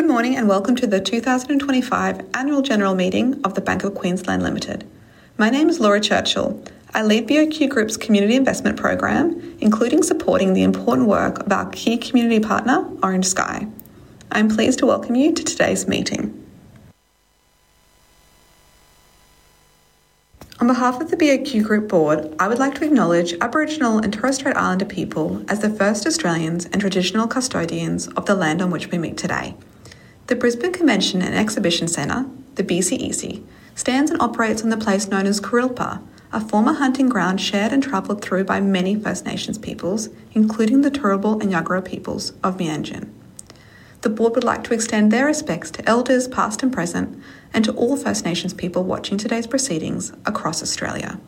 Good morning and welcome to the 2025 Annual General Meeting of the Bank of Queensland Limited. My name is Laura Churchill. I lead BOQ Group's Community Investment Program, including supporting the important work of our key community partner, Orange Sky. I'm pleased to welcome you to today's meeting. On behalf of the BOQ Group board, I would like to acknowledge Aboriginal and Torres Strait Islander people as the first Australians and traditional custodians of the land on which we meet today. The Brisbane Convention and Exhibition Centre, the BCEC, stands and operates in the place known as Kurilpa, a former hunting ground shared and travelled through by many First Nations peoples, including the Turrbal and Yuggera peoples of Meanjin. The board would like to extend their respects to elders past and present, and to all First Nations people watching today's proceedings across Australia.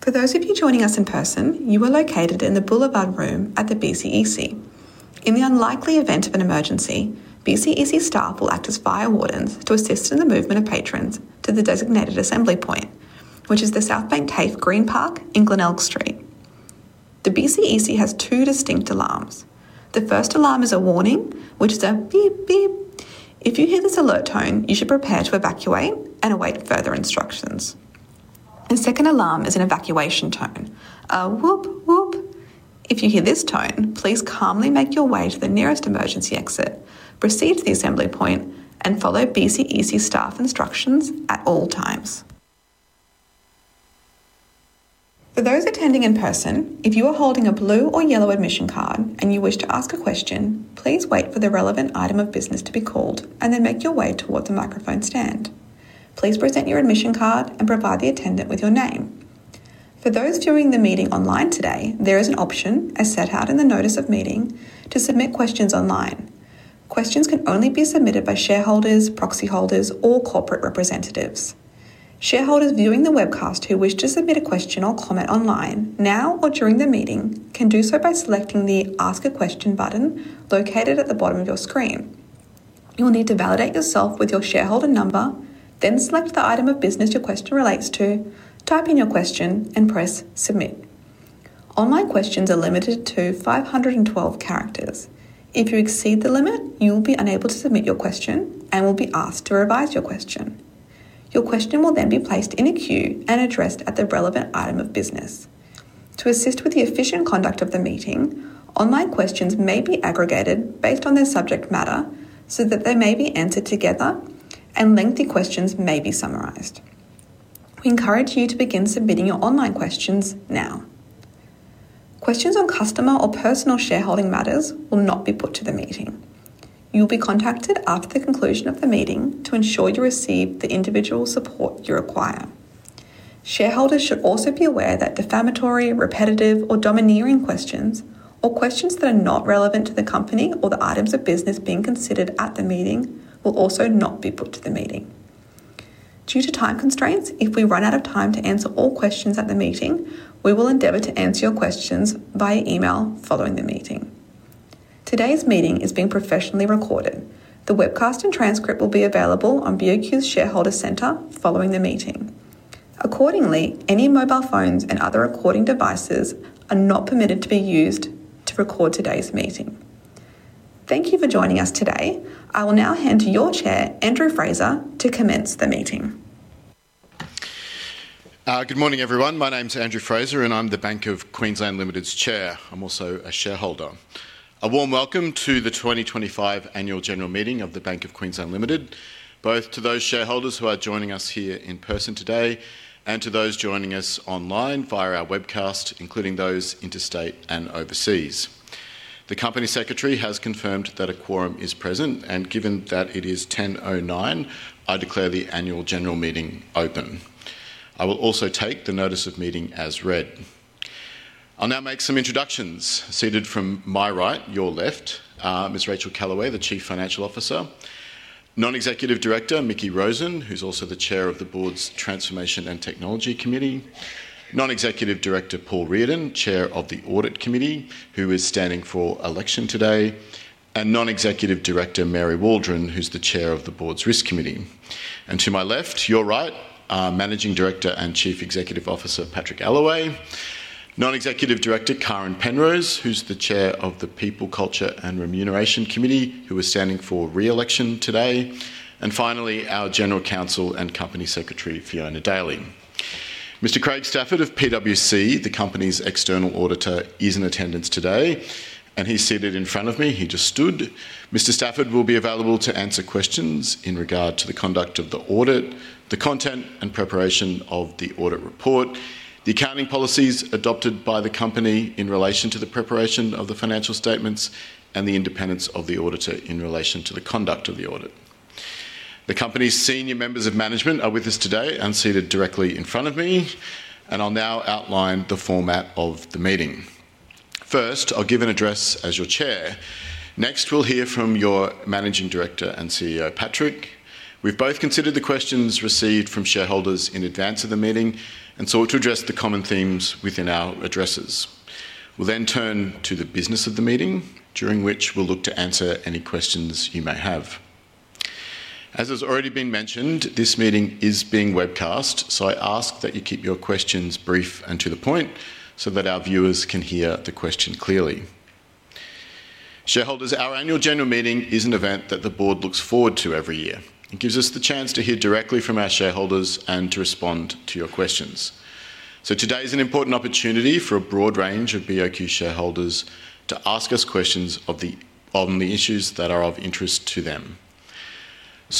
For those of you joining us in person, you are located in the Boulevard Room at the BCEC. In the unlikely event of an emergency, BCEC staff will act as fire wardens to assist in the movement of patrons to the designated assembly point, which is the South Bank Parklands in Glenelg Street. The BCEC has two distinct alarms. The first alarm is a warning, which is a beep, beep. If you hear this alert tone, you should prepare to evacuate and await further instructions. The second alarm is an evacuation tone, a whoop, whoop. If you hear this tone, please calmly make your way to the nearest emergency exit, proceed to the assembly point, and follow BCEC staff instructions at all times. For those attending in person, if you are holding a blue or yellow admission card and you wish to ask a question, please wait for the relevant item of business to be called and then make your way towards the microphone stand. Please present your admission card and provide the attendant with your name. For those viewing the meeting online today, there is an option, as set out in the notice of meeting, to submit questions online. Questions can only be submitted by shareholders, proxy holders, or corporate representatives. Shareholders viewing the webcast who wish to submit a question or comment online now or during the meeting can do so by selecting the Ask a Question button located at the bottom of your screen. You will need to validate yourself with your shareholder number, then select the item of business your question relates to, type in your question, and press Submit. Online questions are limited to 512 characters. If you exceed the limit, you will be unable to submit your question and will be asked to revise your question. Your question will then be placed in a queue and addressed at the relevant item of business. To assist with the efficient conduct of the meeting, online questions may be aggregated based on their subject matter so that they may be answered together, and lengthy questions may be summarized. We encourage you to begin submitting your online questions now. Questions on customer or personal shareholding matters will not be put to the meeting. You will be contacted after the conclusion of the meeting to ensure you receive the individual support you require. Shareholders should also be aware that defamatory, repetitive, or domineering questions, or questions that are not relevant to the company or the items of business being considered at the meeting, will also not be put to the meeting. Due to time constraints, if we run out of time to answer all questions at the meeting, we will endeavor to answer your questions via email following the meeting. Today's meeting is being professionally recorded. The webcast and transcript will be available on BOQ's Shareholder Centre following the meeting. Accordingly, any mobile phones and other recording devices are not permitted to be used to record today's meeting. Thank you for joining us today. I will now hand to your Chair, Andrew Fraser, to commence the meeting. Good morning, everyone. My name is Andrew Fraser, and I'm the Bank of Queensland Limited's Chair. I'm also a shareholder. A warm welcome to the 2025 Annual General Meeting of the Bank of Queensland Limited, both to those shareholders who are joining us here in person today and to those joining us online via our webcast, including those interstate and overseas. The Company Secretary has confirmed that a quorum is present, and given that it is 10:09 A.M., I declare the Annual General Meeting open. I will also take the notice of meeting as read. I'll now make some introductions. Seated from my right, your left, Ms. Racheal Kallaway, the Chief Financial Officer; Non-Executive Director, Mickie Rosen, who's also the Chair of the Board's Transformation and Technology Committee; Non-Executive Director, Paul Riordan, Chair of the Audit Committee, who is standing for election today; and Non-Executive Director, Mary Waldron, who's the Chair of the Board's Risk Committee. To my left, your right, Managing Director and Chief Executive Officer, Patrick Allaway; Non-Executive Director, Karen Penrose, who's the Chair of the People, Culture and Remuneration Committee, who is standing for re-election today; and finally, our General Counsel and Company Secretary, Fiona Daly. Mr. Craig Stafford of PwC, the Company's External Auditor, is in attendance today, and he's seated in front of me. He just stood. Mr. Stafford will be available to answer questions in regard to the conduct of the audit, the content and preparation of the audit report, the accounting policies adopted by the Company in relation to the preparation of the financial statements, and the independence of the auditor in relation to the conduct of the audit. The Company's senior members of management are with us today and seated directly in front of me, and I'll now outline the format of the meeting. First, I'll give an address as your Chair. Next, we'll hear from your Managing Director and CEO, Patrick. We've both considered the questions received from shareholders in advance of the meeting and sought to address the common themes within our addresses. We'll then turn to the business of the meeting, during which we'll look to answer any questions you may have. As has already been mentioned, this meeting is being webcast, so I ask that you keep your questions brief and to the point so that our viewers can hear the question clearly. Shareholders, our Annual General Meeting is an event that the board looks forward to every year. It gives us the chance to hear directly from our shareholders and to respond to your questions. Today is an important opportunity for a broad range of BOQ shareholders to ask us questions on the issues that are of interest to them.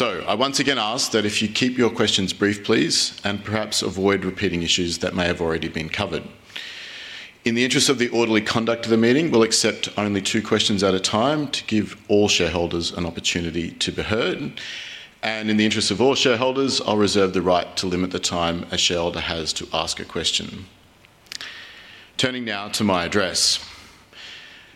I once again ask that you keep your questions brief, please, and perhaps avoid repeating issues that may have already been covered. In the interest of the orderly conduct of the meeting, we'll accept only two questions at a time to give all shareholders an opportunity to be heard. In the interest of all shareholders, I will reserve the right to limit the time a shareholder has to ask a question. Turning now to my address.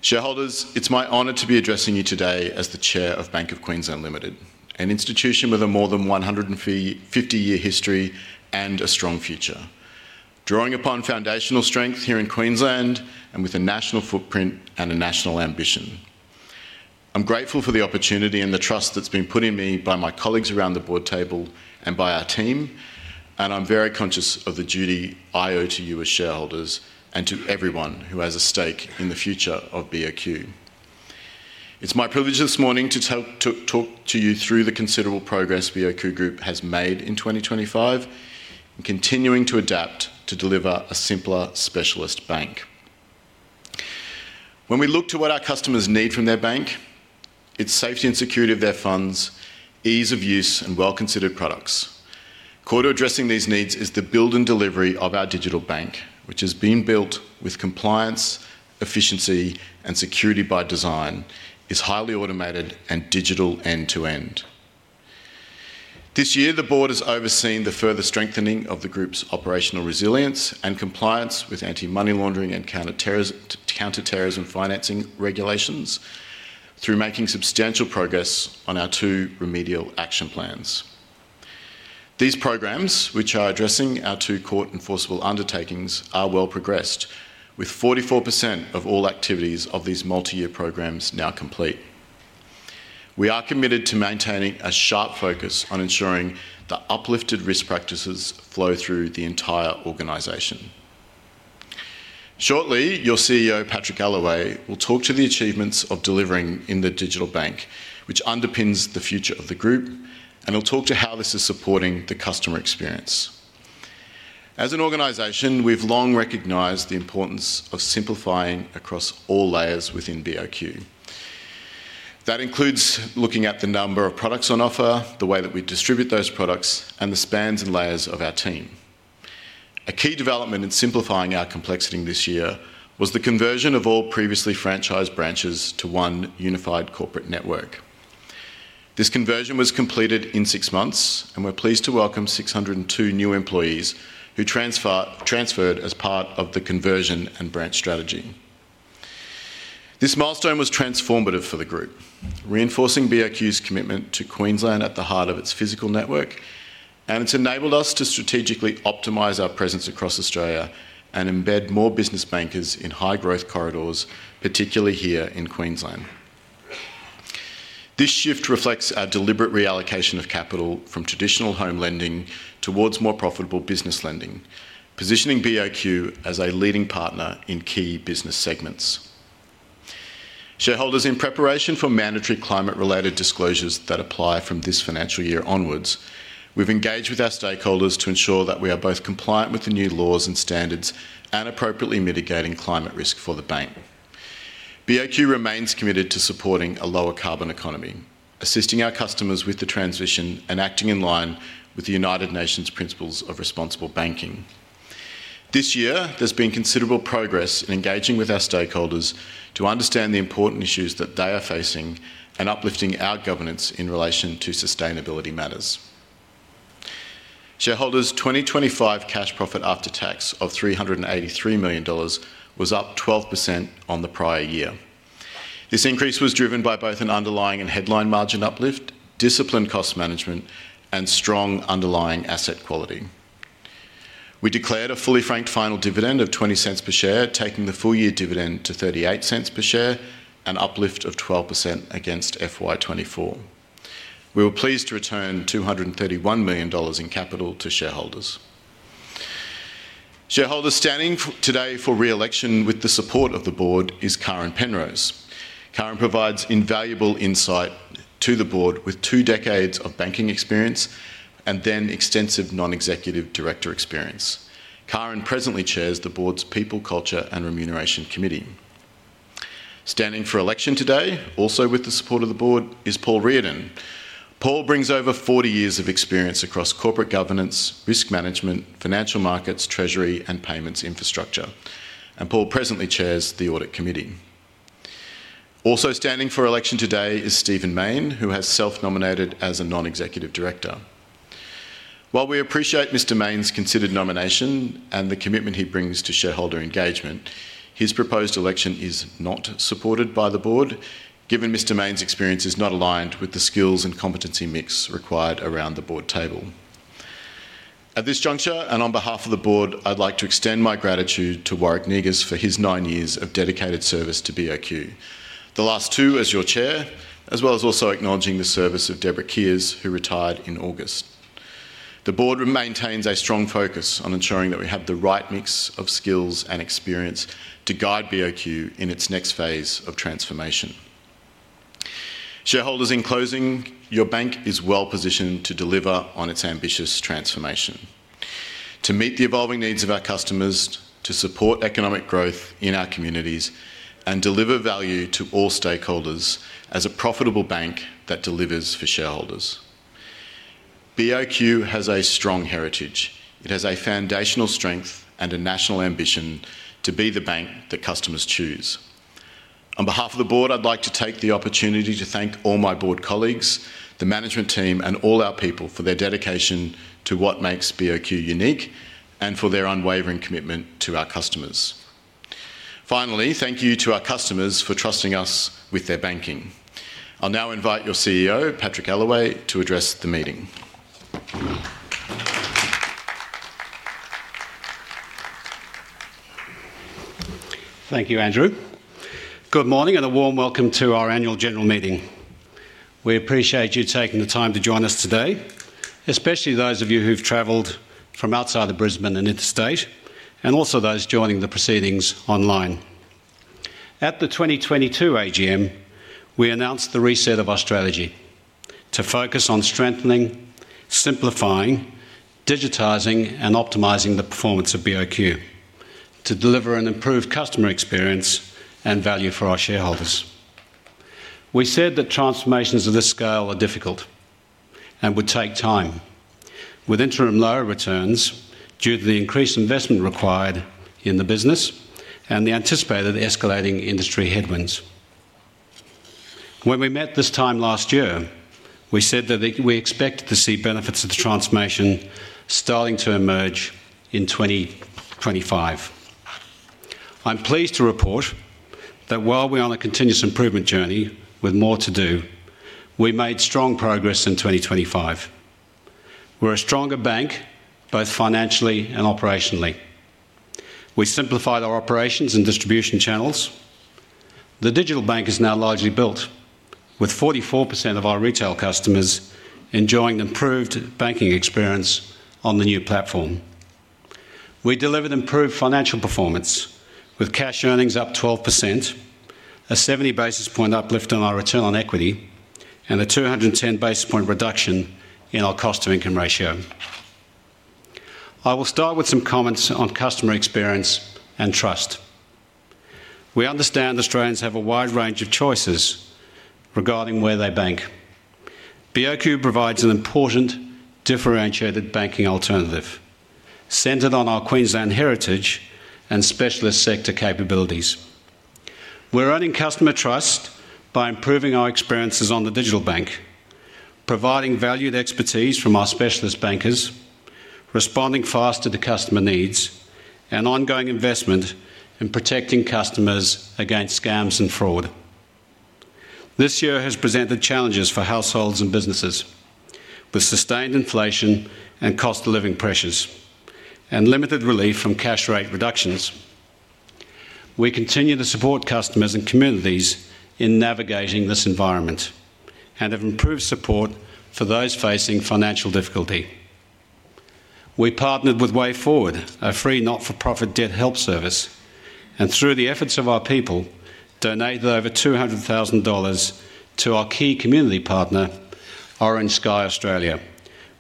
Shareholders, it is my honor to be addressing you today as the Chair of Bank of Queensland Limited, an institution with a more than 150-year history and a strong future, drawing upon foundational strength here in Queensland and with a national footprint and a national ambition. I am grateful for the opportunity and the trust that has been put in me by my colleagues around the board table and by our team, and I am very conscious of the duty I owe to you as shareholders and to everyone who has a stake in the future of BOQ. It is my privilege this morning to talk to you through the considerable progress BOQ Group has made in 2025 and continuing to adapt to deliver a simpler specialist bank. When we look to what our customers need from their bank, it's safety and security of their funds, ease of use, and well-considered products. Core to addressing these needs is the build and delivery of our digital bank, which has been built with compliance, efficiency, and security by design, is highly automated and digital end-to-end. This year, the board has overseen the further strengthening of the group's operational resilience and compliance with anti-money laundering and counterterrorism financing regulations through making substantial progress on our two remedial action plans. These programs, which are addressing our two court-enforceable undertakings, are well progressed, with 44% of all activities of these multi-year programs now complete. We are committed to maintaining a sharp focus on ensuring that uplifted risk practices flow through the entire organisation. Shortly, your CEO, Patrick Allaway, will talk to the achievements of delivering in the digital bank, which underpins the future of the group, and he'll talk to how this is supporting the customer experience. As an organization, we've long recognized the importance of simplifying across all layers within BOQ. That includes looking at the number of products on offer, the way that we distribute those products, and the spans and layers of our team. A key development in simplifying our complexity this year was the conversion of all previously franchised branches to one unified corporate network. This conversion was completed in six months, and we're pleased to welcome 602 new employees who transferred as part of the conversion and branch strategy. This milestone was transformative for the group, reinforcing BOQ's commitment to Queensland at the heart of its physical network, and it has enabled us to strategically optimize our presence across Australia and embed more business bankers in high-growth corridors, particularly here in Queensland. This shift reflects our deliberate reallocation of capital from traditional home lending towards more profitable business lending, positioning BOQ as a leading partner in key business segments. Shareholders, in preparation for mandatory climate-related disclosures that apply from this financial year onwards, we have engaged with our stakeholders to ensure that we are both compliant with the new laws and standards and appropriately mitigating climate risk for the bank. BOQ remains committed to supporting a lower carbon economy, assisting our customers with the transition and acting in line with the United Nations principles of responsible banking. This year, there's been considerable progress in engaging with our stakeholders to understand the important issues that they are facing and uplifting our governance in relation to sustainability matters. Shareholders, 2025 cash profit after tax of 383 million dollars was up 12% on the prior year. This increase was driven by both an underlying and headline margin uplift, disciplined cost management, and strong underlying asset quality. We declared a fully franked final dividend of 0.20 per share, taking the full-year dividend to 0.38 per share, an uplift of 12% against FY 2024. We were pleased to return 231 million dollars in capital to shareholders. Shareholders standing today for re-election with the support of the board is Karen Penrose. Karen provides invaluable insight to the board with two decades of banking experience and then extensive Non-Executive Director experience. Karen presently chairs the Board's People, Culture and Remuneration Committee. Standing for election today, also with the support of the board, is Paul Riordan. Paul brings over 40 years of experience across corporate governance, risk management, financial markets, treasury, and payments infrastructure, and Paul presently chairs the Audit Committee. Also standing for election today is Stephen Mayne, who has self-nominated as a Non-Executive Director. While we appreciate Mr. Mayne's considered nomination and the commitment he brings to shareholder engagement, his proposed election is not supported by the board, given Mr. Mayne's experience is not aligned with the skills and competency mix required around the board table. At this juncture, and on behalf of the board, I'd like to extend my gratitude to Warwick Negus for his nine years of dedicated service to BOQ, the last two as your chair, as well as also acknowledging the service of Deborah Kiers, who retired in August. The board maintains a strong focus on ensuring that we have the right mix of skills and experience to guide BOQ in its next phase of transformation. Shareholders, in closing, your bank is well positioned to deliver on its ambitious transformation, to meet the evolving needs of our customers, to support economic growth in our communities, and deliver value to all stakeholders as a profitable bank that delivers for shareholders. BOQ has a strong heritage. It has a foundational strength and a national ambition to be the bank that customers choose. On behalf of the board, I'd like to take the opportunity to thank all my board colleagues, the management team, and all our people for their dedication to what makes BOQ unique and for their unwavering commitment to our customers. Finally, thank you to our customers for trusting us with their banking. I'll now invite your CEO, Patrick Allaway, to address the meeting. Thank you, Andrew. Good morning and a warm welcome to our Annual General Meeting. We appreciate you taking the time to join us today, especially those of you who have traveled from outside of Brisbane and interstate, and also those joining the proceedings online. At the 2022 AGM, we announced the reset of our strategy to focus on strengthening, simplifying, digitizing, and optimizing the performance of BOQ to deliver an improved customer experience and value for our shareholders. We said that transformations of this scale are difficult and would take time, with interim lower returns due to the increased investment required in the business and the anticipated escalating industry headwinds. When we met this time last year, we said that we expect to see benefits of the transformation starting to emerge in 2025. I'm pleased to report that while we're on a continuous improvement journey with more to do, we made strong progress in 2025. We're a stronger bank, both financially and operationally. We simplified our operations and distribution channels. The digital bank is now largely built, with 44% of our retail customers enjoying an improved banking experience on the new platform. We delivered improved financial performance, with cash earnings up 12%, a 70 basis point uplift on our return on equity, and a 210 basis point reduction in our cost-to-income ratio. I will start with some comments on customer experience and trust. We understand Australians have a wide range of choices regarding where they bank. BOQ provides an important differentiated banking alternative centred on our Queensland heritage and specialist sector capabilities. We're earning customer trust by improving our experiences on the digital bank, providing valued expertise from our specialist bankers, responding fast to the customer needs, and ongoing investment in protecting customers against scams and fraud. This year has presented challenges for households and businesses, with sustained inflation and cost of living pressures and limited relief from cash rate reductions. We continue to support customers and communities in navigating this environment and have improved support for those facing financial difficulty. We partnered with Way Forward, a free not-for-profit debt help service, and through the efforts of our people, donated over 200,000 dollars to our key community partner, Orange Sky Australia,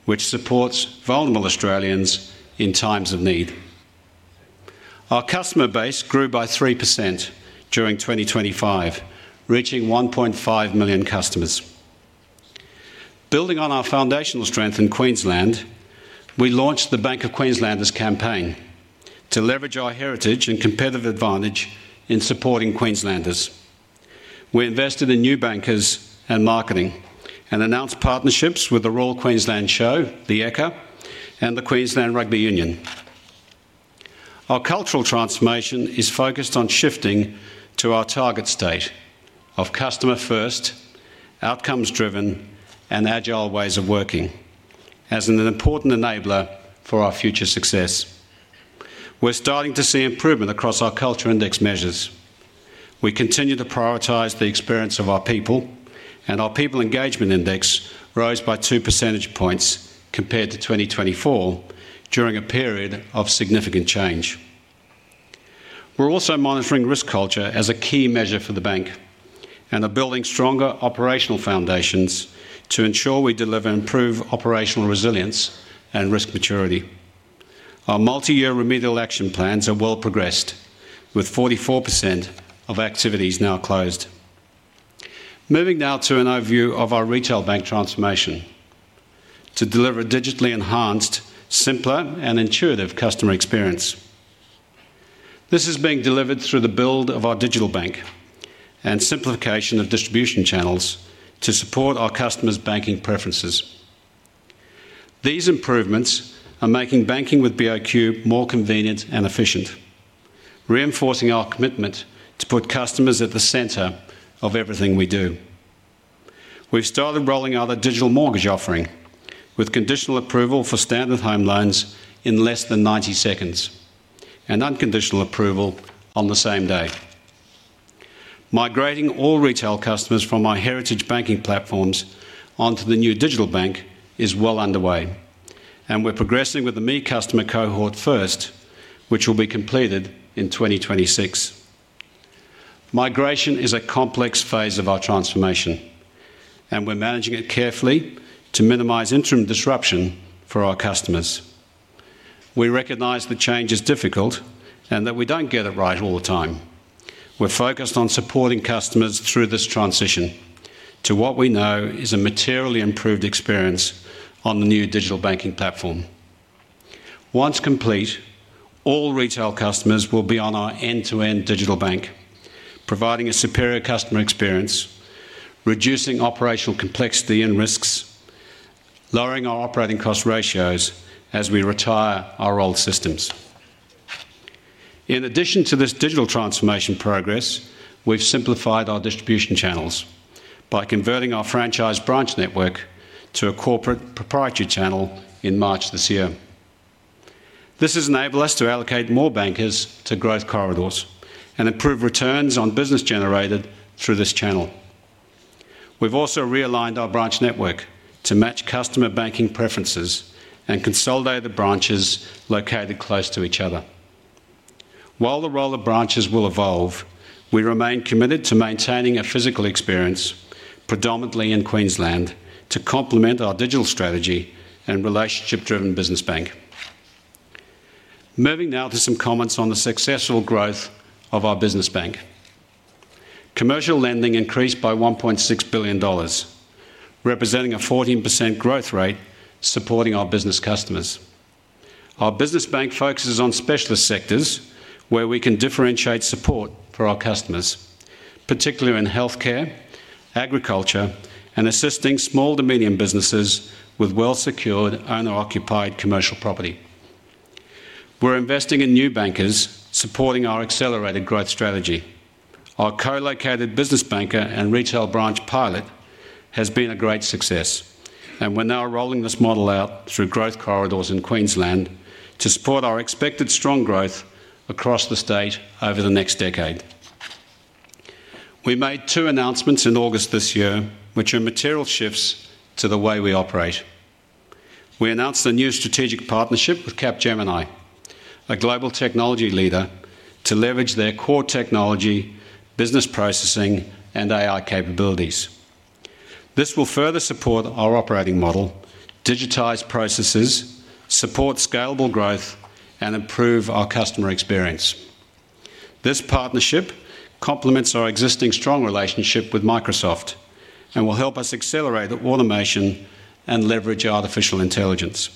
which supports vulnerable Australians in times of need. Our customer base grew by 3% during 2025, reaching 1.5 million customers. Building on our foundational strength in Queensland, we launched the Bank of Queenslanders Campaign to leverage our heritage and competitive advantage in supporting Queenslanders. We invested in new bankers and marketing and announced partnerships with the Royal Queensland Show, the Ekka, and the Queensland Rugby Union. Our cultural transformation is focused on shifting to our target state of customer-first, outcomes-driven, and agile ways of working as an important enabler for our future success. We're starting to see improvement across our culture index measures. We continue to prioritize the experience of our people, and our people engagement index rose by 2 percentage points compared to 2024 during a period of significant change. We're also monitoring risk culture as a key measure for the bank and are building stronger operational foundations to ensure we deliver improved operational resilience and risk maturity. Our multi-year remedial action plans are well progressed, with 44% of activities now closed. Moving now to an overview of our retail bank transformation to deliver a digitally enhanced, simpler, and intuitive customer experience. This is being delivered through the build of our digital bank and simplification of distribution channels to support our customers' banking preferences. These improvements are making banking with BOQ more convenient and efficient, reinforcing our commitment to put customers at the center of everything we do. We've started rolling out a digital mortgage offering with conditional approval for standard home loans in less than 90 seconds and unconditional approval on the same day. Migrating all retail customers from our heritage banking platforms onto the new digital bank is well underway, and we're progressing with the ME customer cohort first, which will be completed in 2026. Migration is a complex phase of our transformation, and we're managing it carefully to minimize interim disruption for our customers. We recognize the change is difficult and that we don't get it right all the time. We're focused on supporting customers through this transition to what we know is a materially improved experience on the new digital banking platform. Once complete, all retail customers will be on our end-to-end digital bank, providing a superior customer experience, reducing operational complexity and risks, lowering our operating cost ratios as we retire our old systems. In addition to this digital transformation progress, we've simplified our distribution channels by converting our franchised branch network to a corporate proprietary channel in March this year. This has enabled us to allocate more bankers to growth corridors and improve returns on business generated through this channel. We've also realigned our branch network to match customer banking preferences and consolidate the branches located close to each other. While the role of branches will evolve, we remain committed to maintaining a physical experience, predominantly in Queensland, to complement our digital strategy and relationship-driven business bank. Moving now to some comments on the successful growth of our business bank. Commercial lending increased by 1.6 billion dollars, representing a 14% growth rate supporting our business customers. Our business bank focuses on specialist sectors where we can differentiate support for our customers, particularly in healthcare, agriculture, and assisting small to medium businesses with well-secured owner-occupied commercial property. We're investing in new bankers supporting our accelerated growth strategy. Our co-located business banker and retail branch pilot has been a great success, and we're now rolling this model out through growth corridors in Queensland to support our expected strong growth across the state over the next decade. We made two announcements in August this year, which are material shifts to the way we operate. We announced a new strategic partnership with Capgemini, a global technology leader, to leverage their core technology, business processing, and AI capabilities. This will further support our operating model, digitize processes, support scalable growth, and improve our customer experience. This partnership complements our existing strong relationship with Microsoft and will help us accelerate automation and leverage artificial intelligence.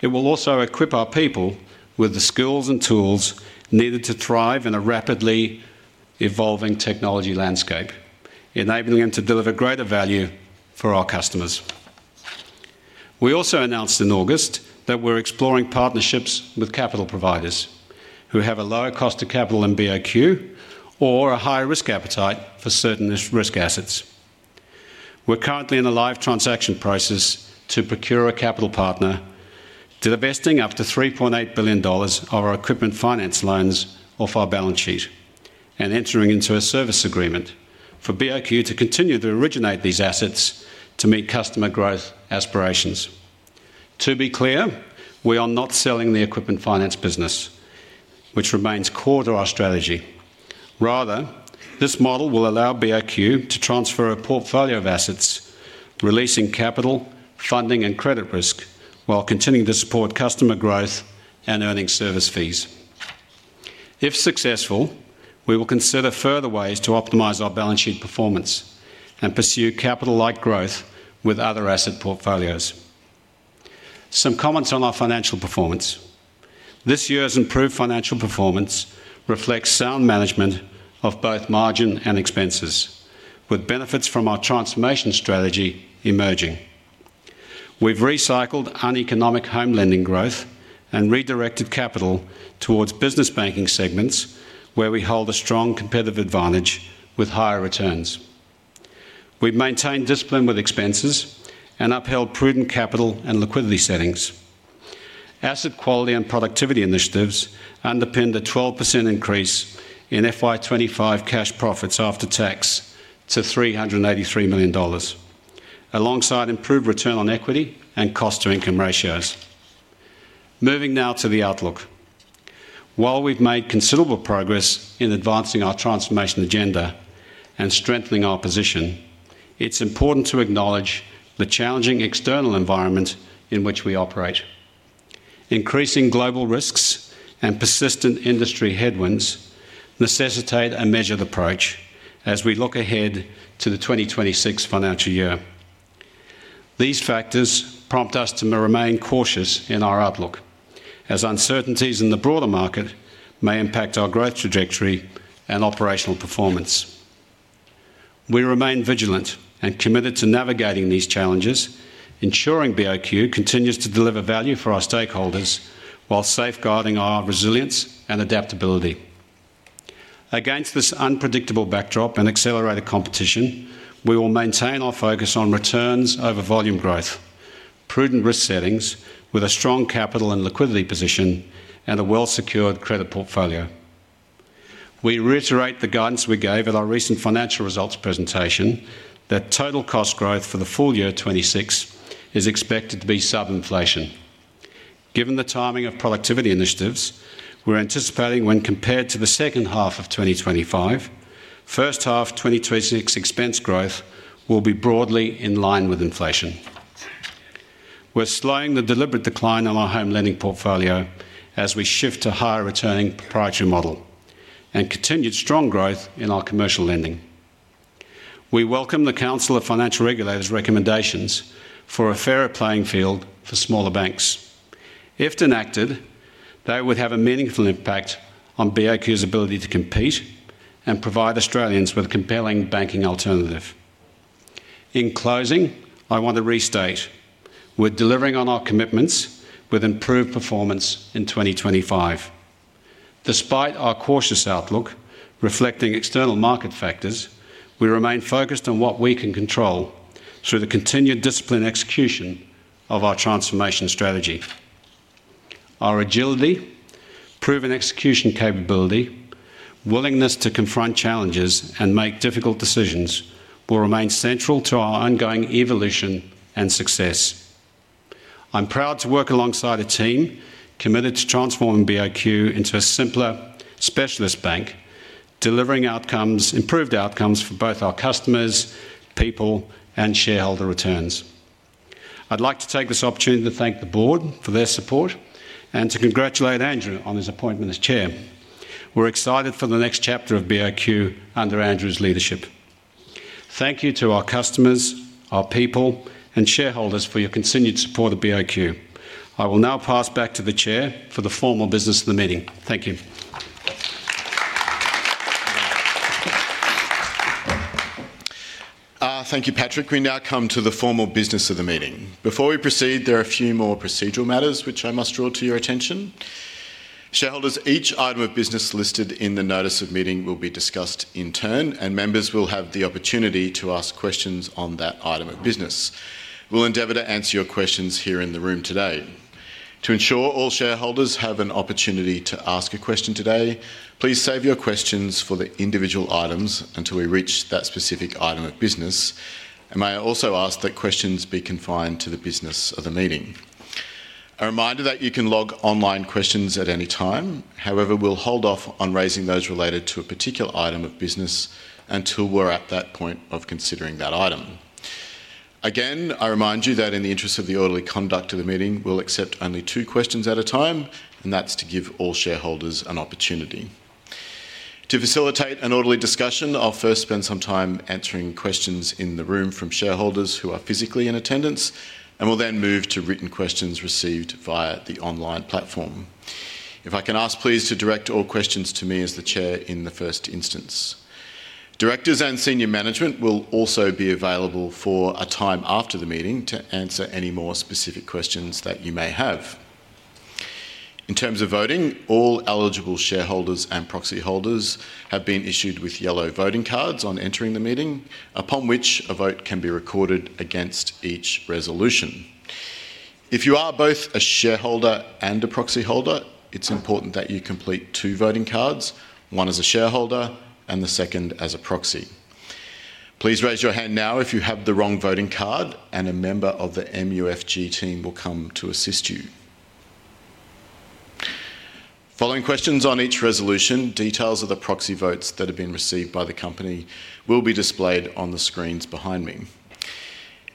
It will also equip our people with the skills and tools needed to thrive in a rapidly evolving technology landscape, enabling them to deliver greater value for our customers. We also announced in August that we're exploring partnerships with capital providers who have a lower cost of capital than BOQ or a higher risk appetite for certain risk assets. We're currently in a live transaction process to procure a capital partner, divesting up to 3.8 billion dollars of our equipment finance loans off our balance sheet and entering into a service agreement for BOQ to continue to originate these assets to meet customer growth aspirations. To be clear, we are not selling the equipment finance business, which remains core to our strategy. Rather, this model will allow BOQ to transfer a portfolio of assets, releasing capital, funding, and credit risk while continuing to support customer growth and earning service fees. If successful, we will consider further ways to optimize our balance sheet performance and pursue capital-like growth with other asset portfolios. Some comments on our financial performance. This year's improved financial performance reflects sound management of both margin and expenses, with benefits from our transformation strategy emerging. We've recycled uneconomic home lending growth and redirected capital towards business banking segments where we hold a strong competitive advantage with higher returns. We've maintained discipline with expenses and upheld prudent capital and liquidity settings. Asset quality and productivity initiatives underpinned a 12% increase in FY 2025 cash profits after tax to 383 million dollars, alongside improved return on equity and cost-to-income ratios. Moving now to the outlook. While we've made considerable progress in advancing our transformation agenda and strengthening our position, it's important to acknowledge the challenging external environment in which we operate. Increasing global risks and persistent industry headwinds necessitate a measured approach as we look ahead to the 2026 financial year. These factors prompt us to remain cautious in our outlook, as uncertainties in the broader market may impact our growth trajectory and operational performance. We remain vigilant and committed to navigating these challenges, ensuring BOQ continues to deliver value for our stakeholders while safeguarding our resilience and adaptability. Against this unpredictable backdrop and accelerated competition, we will maintain our focus on returns over volume growth, prudent risk settings with a strong capital and liquidity position, and a well-secured credit portfolio. We reiterate the guidance we gave at our recent financial results presentation that total cost growth for the full year 2026 is expected to be sub-inflation. Given the timing of productivity initiatives, we are anticipating when compared to the second half of 2025, first half 2026 expense growth will be broadly in line with inflation. We're slowing the deliberate decline in our home lending portfolio as we shift to a higher-returning proprietary model and continued strong growth in our commercial lending. We welcome the Council of Financial Regulators' recommendations for a fairer playing field for smaller banks. If enacted, they would have a meaningful impact on BOQ's ability to compete and provide Australians with a compelling banking alternative. In closing, I want to restate, we're delivering on our commitments with improved performance in 2025. Despite our cautious outlook reflecting external market factors, we remain focused on what we can control through the continued disciplined execution of our transformation strategy. Our agility, proven execution capability, willingness to confront challenges, and make difficult decisions will remain central to our ongoing evolution and success. I'm proud to work alongside a team committed to transforming BOQ into a simpler specialist bank, delivering improved outcomes for both our customers, people, and shareholder returns. I'd like to take this opportunity to thank the board for their support and to congratulate Andrew on his appointment as Chair. We're excited for the next chapter of BOQ under Andrew's leadership. Thank you to our customers, our people, and shareholders for your continued support of BOQ. I will now pass back to the Chair for the formal business of the meeting. Thank you. Thank you, Patrick. We now come to the formal business of the meeting. Before we proceed, there are a few more procedural matters which I must draw to your attention. Shareholders, each item of business listed in the notice of meeting will be discussed in turn, and members will have the opportunity to ask questions on that item of business. We'll endeavor to answer your questions here in the room today. To ensure all shareholders have an opportunity to ask a question today, please save your questions for the individual items until we reach that specific item of business. May I also ask that questions be confined to the business of the meeting. A reminder that you can log online questions at any time. However, we'll hold off on raising those related to a particular item of business until we're at that point of considering that item. Again, I remind you that in the interest of the orderly conduct of the meeting, we'll accept only two questions at a time, and that's to give all shareholders an opportunity. To facilitate an orderly discussion, I'll first spend some time answering questions in the room from shareholders who are physically in attendance, and we'll then move to written questions received via the online platform. If I can ask, please direct all questions to me as the Chair in the first instance. Directors and senior management will also be available for a time after the meeting to answer any more specific questions that you may have. In terms of voting, all eligible shareholders and proxy holders have been issued with yellow voting cards on entering the meeting, upon which a vote can be recorded against each resolution. If you are both a shareholder and a proxy holder, it's important that you complete two voting cards, one as a shareholder and the second as a proxy. Please raise your hand now if you have the wrong voting card, and a member of the MUFG team will come to assist you. Following questions on each resolution, details of the proxy votes that have been received by the company will be displayed on the screens behind me.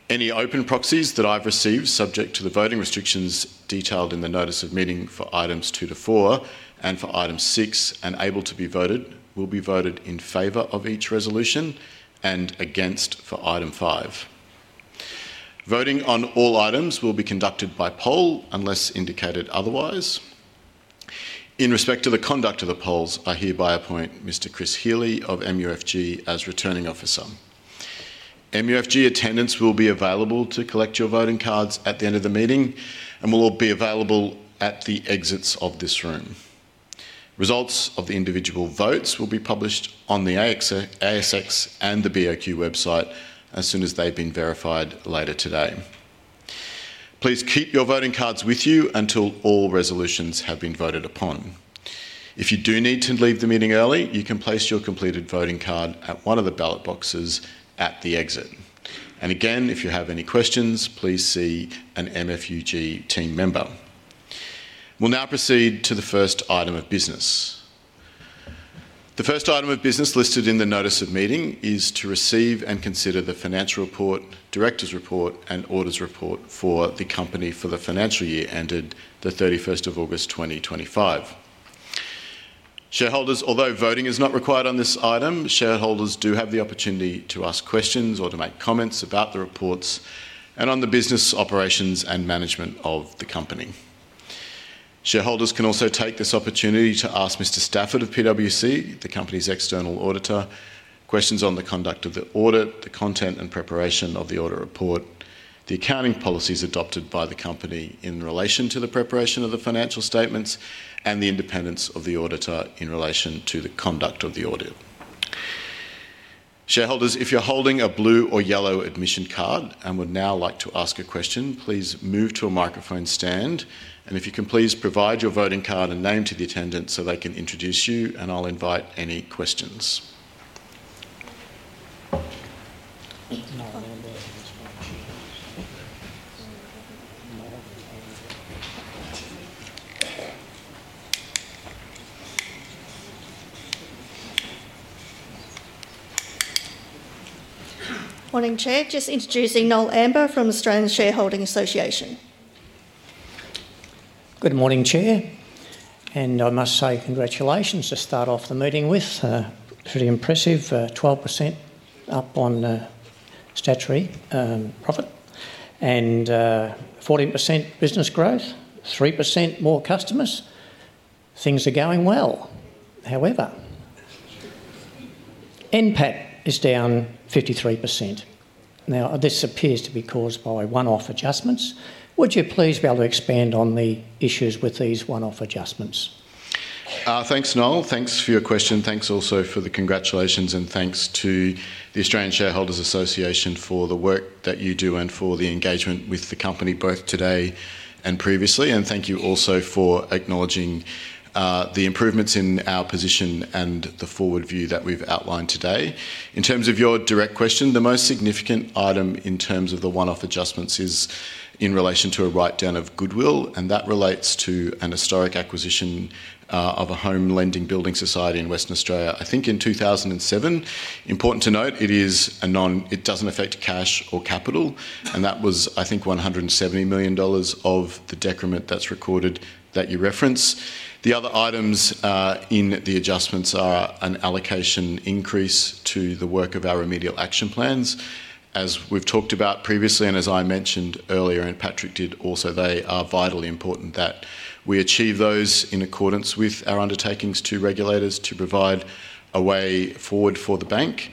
Any open proxies that I've received, subject to the voting restrictions detailed in the notice of meeting for items two to four and for item six and able to be voted, will be voted in favor of each resolution and against for item five. Voting on all items will be conducted by poll unless indicated otherwise. In respect to the conduct of the polls, I hereby appoint Mr. Chris Healey of MUFG as returning officer. MUFG attendants will be available to collect your voting cards at the end of the meeting and will all be available at the exits of this room. Results of the individual votes will be published on the ASX and the BOQ website as soon as they've been verified later today. Please keep your voting cards with you until all resolutions have been voted upon. If you do need to leave the meeting early, you can place your completed voting card at one of the ballot boxes at the exit. If you have any questions, please see a MUFG team member. We'll now proceed to the first item of business. The first item of business listed in the notice of meeting is to receive and consider the financial report, director's report, and auditor's report for the company for the financial year ended the 31st of August 2025. Shareholders, although voting is not required on this item, shareholders do have the opportunity to ask questions or to make comments about the reports and on the business operations and management of the company. Shareholders can also take this opportunity to ask Mr. Stafford of PwC, the company's external auditor, questions on the conduct of the audit, the content and preparation of the audit report, the accounting policies adopted by the company in relation to the preparation of the financial statements, and the independence of the auditor in relation to the conduct of the audit. Shareholders, if you're holding a blue or yellow admission card and would now like to ask a question, please move to a microphone stand. If you can, please provide your voting card and name to the attendant so they can introduce you, and I'll invite any questions. Morning, Chair. Just introducing Noel Ambler from Australian Shareholders Association. Good morning, Chair. I must say congratulations to start off the meeting with a pretty impressive 12% up on statutory profit and 14% business growth, 3% more customers. Things are going well. However, NPAT is down 53%. Now, this appears to be caused by one-off adjustments. Would you please be able to expand on the issues with these one-off adjustments? Thanks, Noel. Thanks for your question. Thanks also for the congratulations, and thanks to the Australian Shareholders' Association for the work that you do and for the engagement with the company, both today and previously. Thank you also for acknowledging the improvements in our position and the forward view that we've outlined today. In terms of your direct question, the most significant item in terms of the one-off adjustments is in relation to a write-down of goodwill, and that relates to an historic acquisition of a home lending building society in Western Australia, I think in 2007. Important to note, it does not affect cash or capital, and that was, I think, 170 million dollars of the decrement that is recorded that you reference. The other items in the adjustments are an allocation increase to the work of our remedial action plans. As we have talked about previously, and as I mentioned earlier, and Patrick did also, they are vitally important that we achieve those in accordance with our undertakings to regulators to provide a way forward for the bank.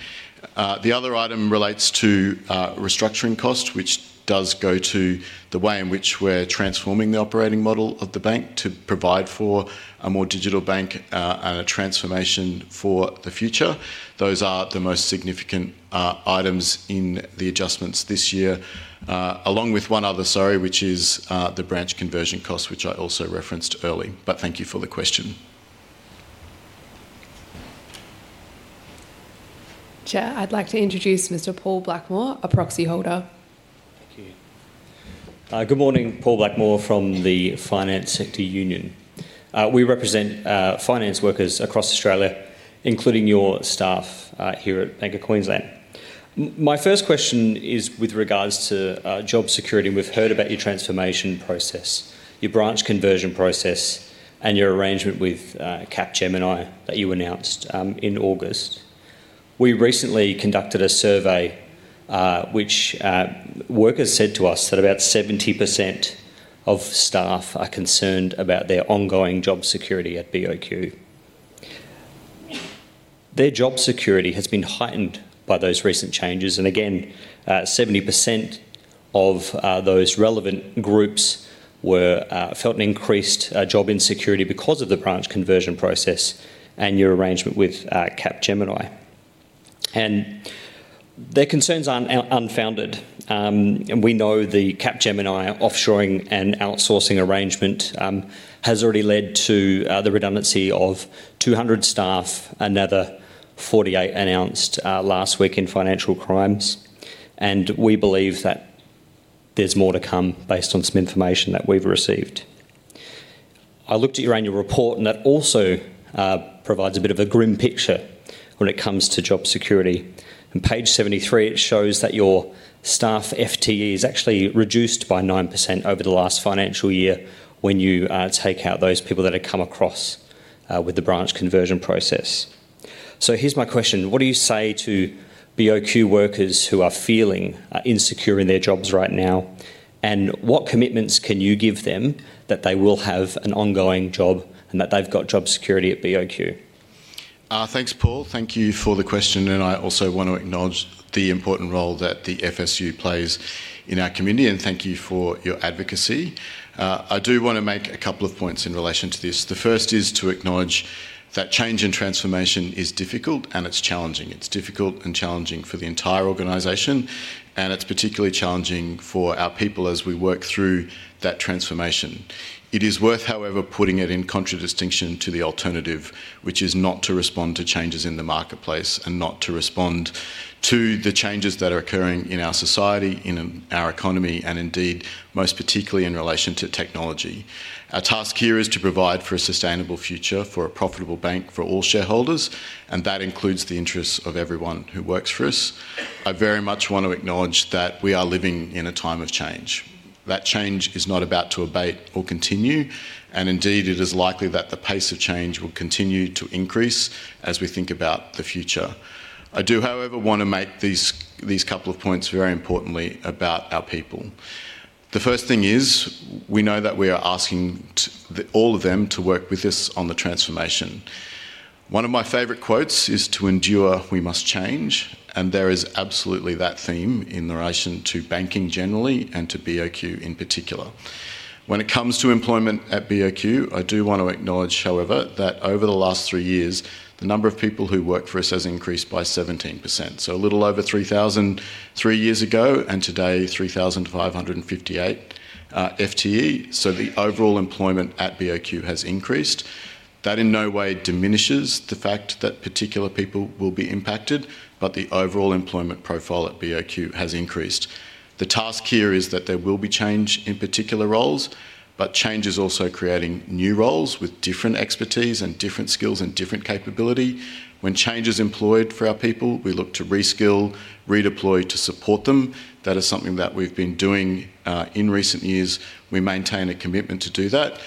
The other item relates to restructuring costs, which does go to the way in which we're transforming the operating model of the bank to provide for a more digital bank and a transformation for the future. Those are the most significant items in the adjustments this year, along with one other, sorry, which is the branch conversion costs, which I also referenced early. Thank you for the question. Chair, I'd like to introduce Mr. Paul Blackmore, a proxy holder. Thank you. Good morning, Paul Blackmore from the Finance Sector Union. We represent finance workers across Australia, including your staff here at Bank of Queensland. My first question is with regards to job security, and we've heard about your transformation process, your branch conversion process, and your arrangement with Capgemini that you announced in August. We recently conducted a survey which workers said to us that about 70% of staff are concerned about their ongoing job security at BOQ. Their job security has been heightened by those recent changes. Again, 70% of those relevant groups felt an increased job insecurity because of the branch conversion process and your arrangement with Capgemini. Their concerns are unfounded. We know the Capgemini offshoring and outsourcing arrangement has already led to the redundancy of 200 staff, another 48 announced last week in financial crimes. We believe that there is more to come based on some information that we have received. I looked at your annual report, and that also provides a bit of a grim picture when it comes to job security. On page 73, it shows that your staff FTE is actually reduced by 9% over the last financial year when you take out those people that have come across with the branch conversion process. Here is my question. What do you say to BOQ workers who are feeling insecure in their jobs right now? What commitments can you give them that they will have an ongoing job and that they've got job security at BOQ? Thanks, Paul. Thank you for the question. I also want to acknowledge the important role that the FSU plays in our community, and thank you for your advocacy. I do want to make a couple of points in relation to this. The first is to acknowledge that change and transformation is difficult, and it's challenging. It's difficult and challenging for the entire organization, and it's particularly challenging for our people as we work through that transformation. It is worth, however, putting it in contradistinction to the alternative, which is not to respond to changes in the marketplace and not to respond to the changes that are occurring in our society, in our economy, and indeed, most particularly in relation to technology. Our task here is to provide for a sustainable future for a profitable bank for all shareholders, and that includes the interests of everyone who works for us. I very much want to acknowledge that we are living in a time of change. That change is not about to abate or continue, and indeed, it is likely that the pace of change will continue to increase as we think about the future. I do, however, want to make these couple of points very importantly about our people. The first thing is we know that we are asking all of them to work with us on the transformation. One of my favorite quotes is, "To endure, we must change," and there is absolutely that theme in relation to banking generally and to BOQ in particular. When it comes to employment at BOQ, I do want to acknowledge, however, that over the last three years, the number of people who work for us has increased by 17%. So a little over 3,000 three years ago and today, 3,558 FTE. The overall employment at BOQ has increased. That in no way diminishes the fact that particular people will be impacted, but the overall employment profile at BOQ has increased. The task here is that there will be change in particular roles, but change is also creating new roles with different expertise and different skills and different capability. When change is employed for our people, we look to reskill, redeploy to support them. That is something that we've been doing in recent years. We maintain a commitment to do that.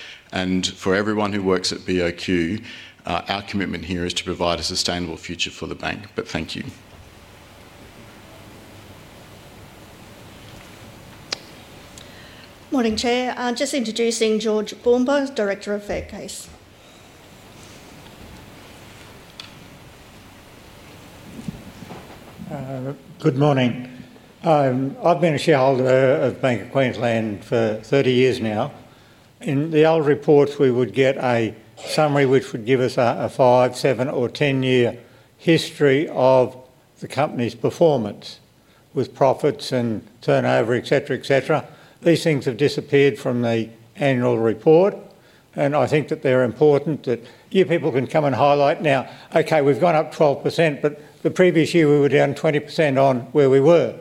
For everyone who works at BOQ, our commitment here is to provide a sustainable future for the bank. Thank you. Morning, Chair. Just introducing George Baumber, Director of Faircase. Good morning. I've been a shareholder of Bank of Queensland for 30 years now. In the old reports, we would get a summary which would give us a five, seven, or ten-year history of the company's performance with profits and turnover, etc., etc. These things have disappeared from the annual report, and I think that they're important that you people can come and highlight now. Okay, we've gone up 12%, but the previous year we were down 20% on where we were.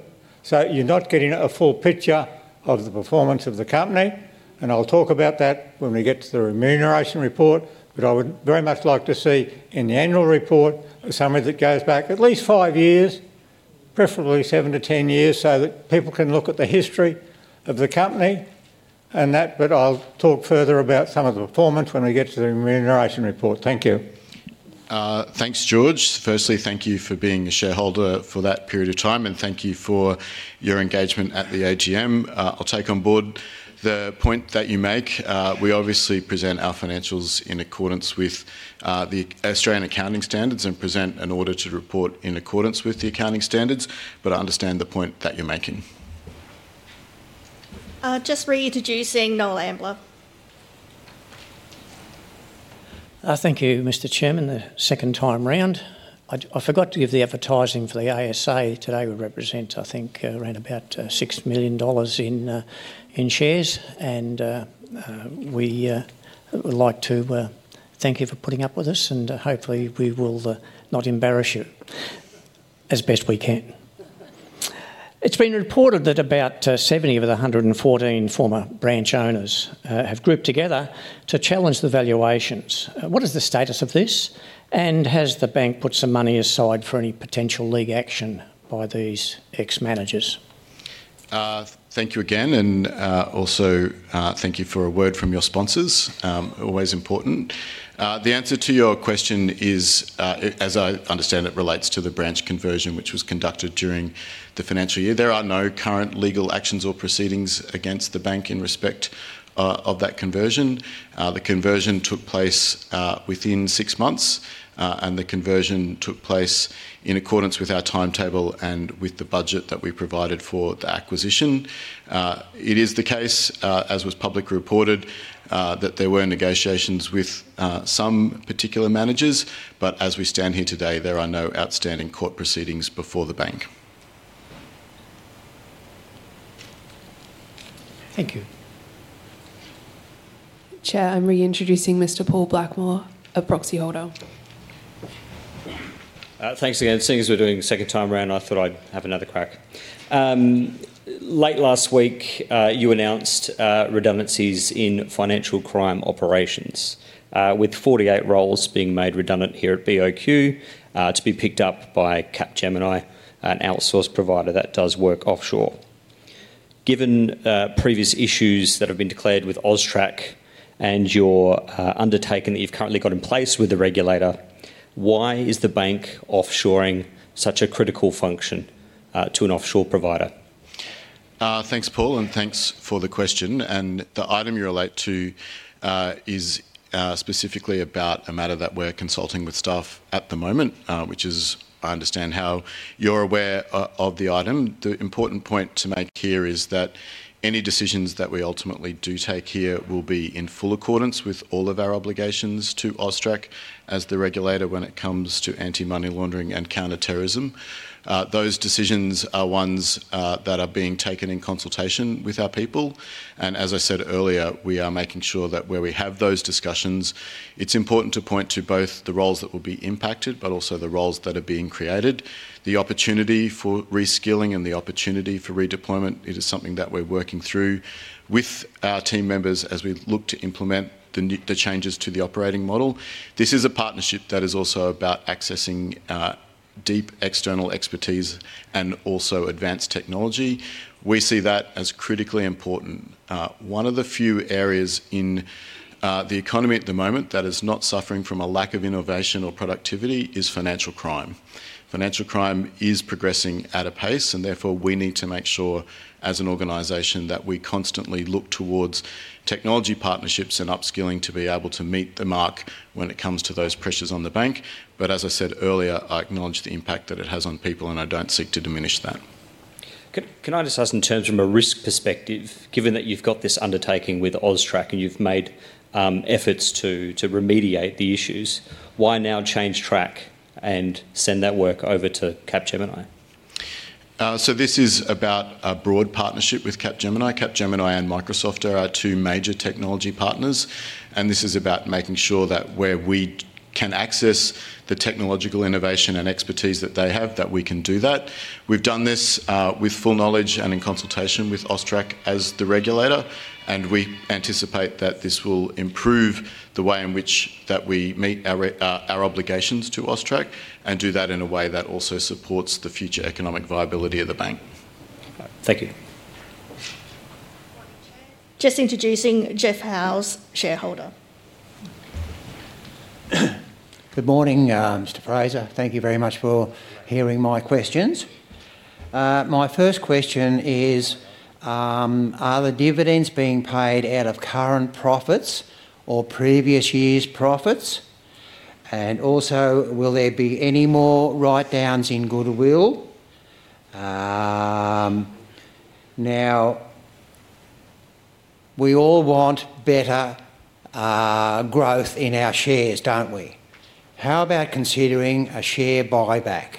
You're not getting a full picture of the performance of the company. I'll talk about that when we get to the remuneration report, but I would very much like to see in the annual report a summary that goes back at least five years, preferably seven to ten years, so that people can look at the history of the company. I'll talk further about some of the performance when we get to the remuneration report. Thank you. Thanks, George. Firstly, thank you for being a shareholder for that period of time, and thank you for your engagement at the AGM. I'll take on board the point that you make. We obviously present our financials in accordance with the Australian accounting standards and present an audited report in accordance with the accounting standards, but I understand the point that you're making. Just reintroducing Noel Amber. Thank you, Mr. Chairman, the second time around. I forgot to give the advertising for the ASA. Today, we represent, I think, around about 6 million dollars in shares, and we would like to thank you for putting up with us, and hopefully we will not embarrass you as best we can. It's been reported that about 70 of the 114 former branch owners have grouped together to challenge the valuations. What is the status of this, and has the bank put some money aside for any potential legal action by these ex-managers? Thank you again, and also thank you for a word from your sponsors. Always important. The answer to your question is, as I understand it, relates to the branch conversion which was conducted during the financial year. There are no current legal actions or proceedings against the bank in respect of that conversion. The conversion took place within six months, and the conversion took place in accordance with our timetable and with the budget that we provided for the acquisition. It is the case, as was publicly reported, that there were negotiations with some particular managers, but as we stand here today, there are no outstanding court proceedings before the bank. Thank you. Chair, I'm reintroducing Mr. Paul Blackmore, a proxy holder. Thanks again. Seeing as we're doing it a second time around, I thought I'd have another crack. Late last week, you announced redundancies in financial crime operations, with 48 roles being made redundant here at BOQ to be picked up by Capgemini, an outsourced provider that does work offshore. Given previous issues that have been declared with AUSTRAC and your undertaking that you've currently got in place with the regulator, why is the bank offshoring such a critical function to an offshore provider? Thanks, Paul, and thanks for the question. The item you relate to is specifically about a matter that we're consulting with staff at the moment, which is, I understand, how you're aware of the item. The important point to make here is that any decisions that we ultimately do take here will be in full accordance with all of our obligations to AUSTRAC as the regulator when it comes to anti-money laundering and counter-terrorism. Those decisions are ones that are being taken in consultation with our people. As I said earlier, we are making sure that where we have those discussions, it is important to point to both the roles that will be impacted, but also the roles that are being created. The opportunity for reskilling and the opportunity for redeployment, it is something that we are working through with our team members as we look to implement the changes to the operating model. This is a partnership that is also about accessing deep external expertise and also advanced technology. We see that as critically important. One of the few areas in the economy at the moment that is not suffering from a lack of innovation or productivity is financial crime. Financial crime is progressing at a pace, and therefore we need to make sure as an organization that we constantly look towards technology partnerships and upskilling to be able to meet the mark when it comes to those pressures on the bank. As I said earlier, I acknowledge the impact that it has on people, and I don't seek to diminish that. Can I just ask in terms from a risk perspective, given that you've got this undertaking with AUSTRAC and you've made efforts to remediate the issues, why now change track and send that work over to Capgemini? This is about a broad partnership with Capgemini. Capgemini and Microsoft are our two major technology partners, and this is about making sure that where we can access the technological innovation and expertise that they have, that we can do that. We've done this with full knowledge and in consultation with AUSTRAC as the regulator, and we anticipate that this will improve the way in which we meet our obligations to AUSTRAC and do that in a way that also supports the future economic viability of the bank. Thank you. Just introducing Jeff Howell, shareholder. Good morning, Mr. Fraser. Thank you very much for hearing my questions. My first question is, are the dividends being paid out of current profits or previous year's profits? Also, will there be any more write-downs in goodwill? Now, we all want better growth in our shares, don't we? How about considering a share buyback?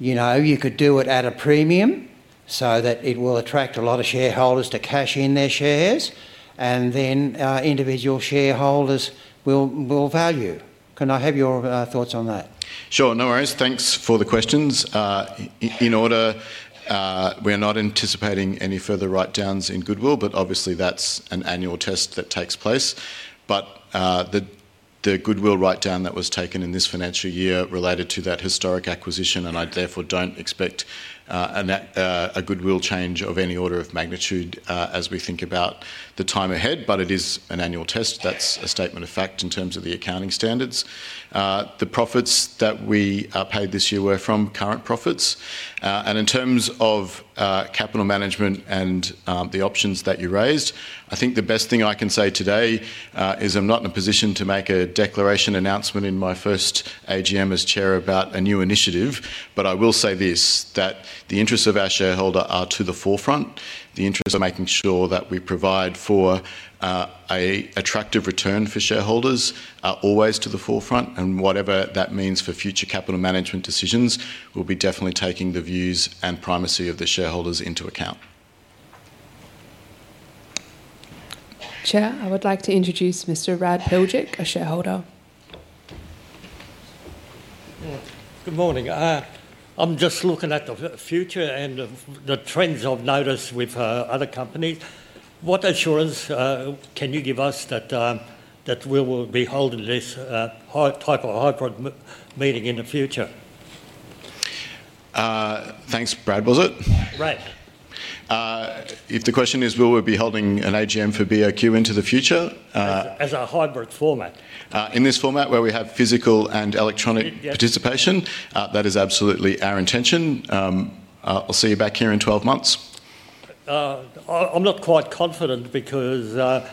You could do it at a premium so that it will attract a lot of shareholders to cash in their shares, and then individual shareholders will value. Can I have your thoughts on that? Sure. No worries. Thanks for the questions. In order, we're not anticipating any further write-downs in goodwill, but obviously that's an annual test that takes place. The goodwill write-down that was taken in this financial year related to that historic acquisition, and I therefore don't expect a goodwill change of any order of magnitude as we think about the time ahead, but it is an annual test. That's a statement of fact in terms of the accounting standards. The profits that we paid this year were from current profits. In terms of capital management and the options that you raised, I think the best thing I can say today is I'm not in a position to make a declaration announcement in my first AGM as Chair about a new initiative, but I will say this: that the interests of our shareholder are to the forefront. The interests of making sure that we provide for an attractive return for shareholders are always to the forefront, and whatever that means for future capital management decisions, we will be definitely taking the views and primacy of the shareholders into account. Chair, I would like to introduce Mr. Rad Piljik, a shareholder. Good morning. I am just looking at the future and the trends I have noticed with other companies. What assurance can you give us that we will be holding this type of hybrid meeting in the future? Thanks, Brad Buzzard. Rad. If the question is, will we be holding an AGM for BOQ into the future? As a hybrid format. In this format where we have physical and electronic participation, that is absolutely our intention. I will see you back here in 12 months. I'm not quite confident because the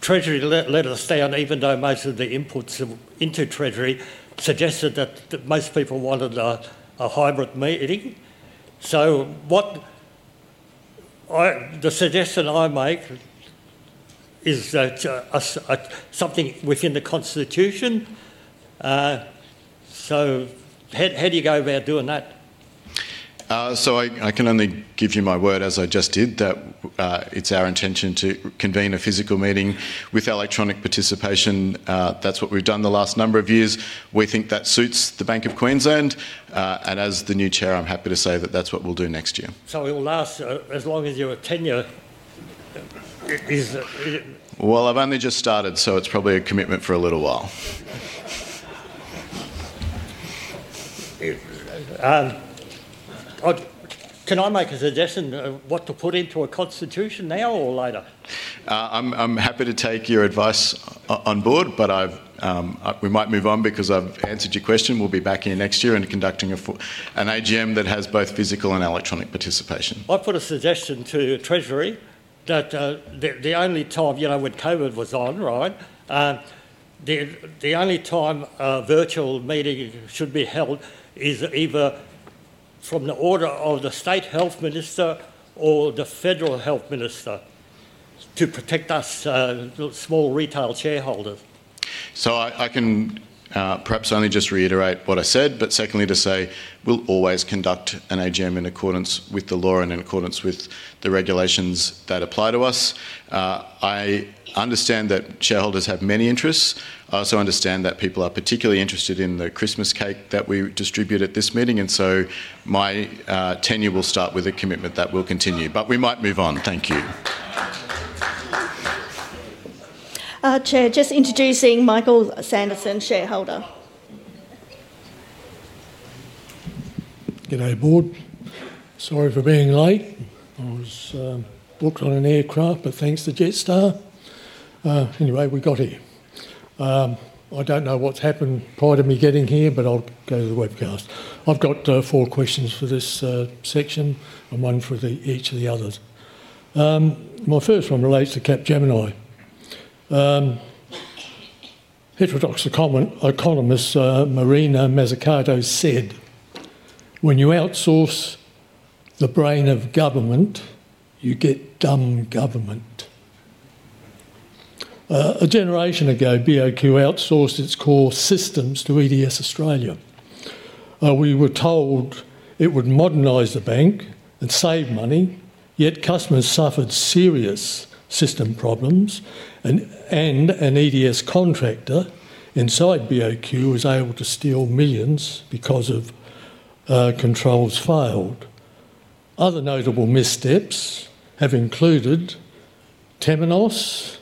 Treasury let us stay on, even though most of the inputs into Treasury suggested that most people wanted a hybrid meeting. The suggestion I make is something within the Constitution. How do you go about doing that? I can only give you my word, as I just did, that it's our intention to convene a physical meeting with electronic participation. That's what we've done the last number of years. We think that suits the Bank of Queensland, and as the new chair, I'm happy to say that that's what we'll do next year. It will last as long as your tenure is? I've only just started, so it's probably a commitment for a little while. Can I make a suggestion of what to put into a Constitution now or later? I'm happy to take your advice on board, but we might move on because I've answered your question. We'll be back here next year and conducting an AGM that has both physical and electronic participation. I put a suggestion to Treasury that the only time when COVID was on, right, the only time a virtual meeting should be held is either from the order of the State Health Minister or the Federal Health Minister to protect us small retail shareholders. I can perhaps only just reiterate what I said, but secondly to say, we'll always conduct an AGM in accordance with the law and in accordance with the regulations that apply to us. I understand that shareholders have many interests. I also understand that people are particularly interested in the Christmas cake that we distribute at this meeting, and so my tenure will start with a commitment that will continue. We might move on. Thank you. Chair, just introducing Michael Sanderson, shareholder. G'day board. Sorry for being late. I was booked on an aircraft, but thanks to JetStar. Anyway, we got here. I don't know what's happened prior to me getting here, but I'll go to the webcast. I've got four questions for this section and one for each of the others. My first one relates to Capgemini. Heterodox economist Mariana Mazzucato said, "When you outsource the brain of government, you get dumb government." A generation ago, BOQ outsourced its core systems to EDS Australia. We were told it would modernize the bank and save money, yet customers suffered serious system problems, and an EDS contractor inside BOQ was able to steal millions because controls failed. Other notable missteps have included Temenos,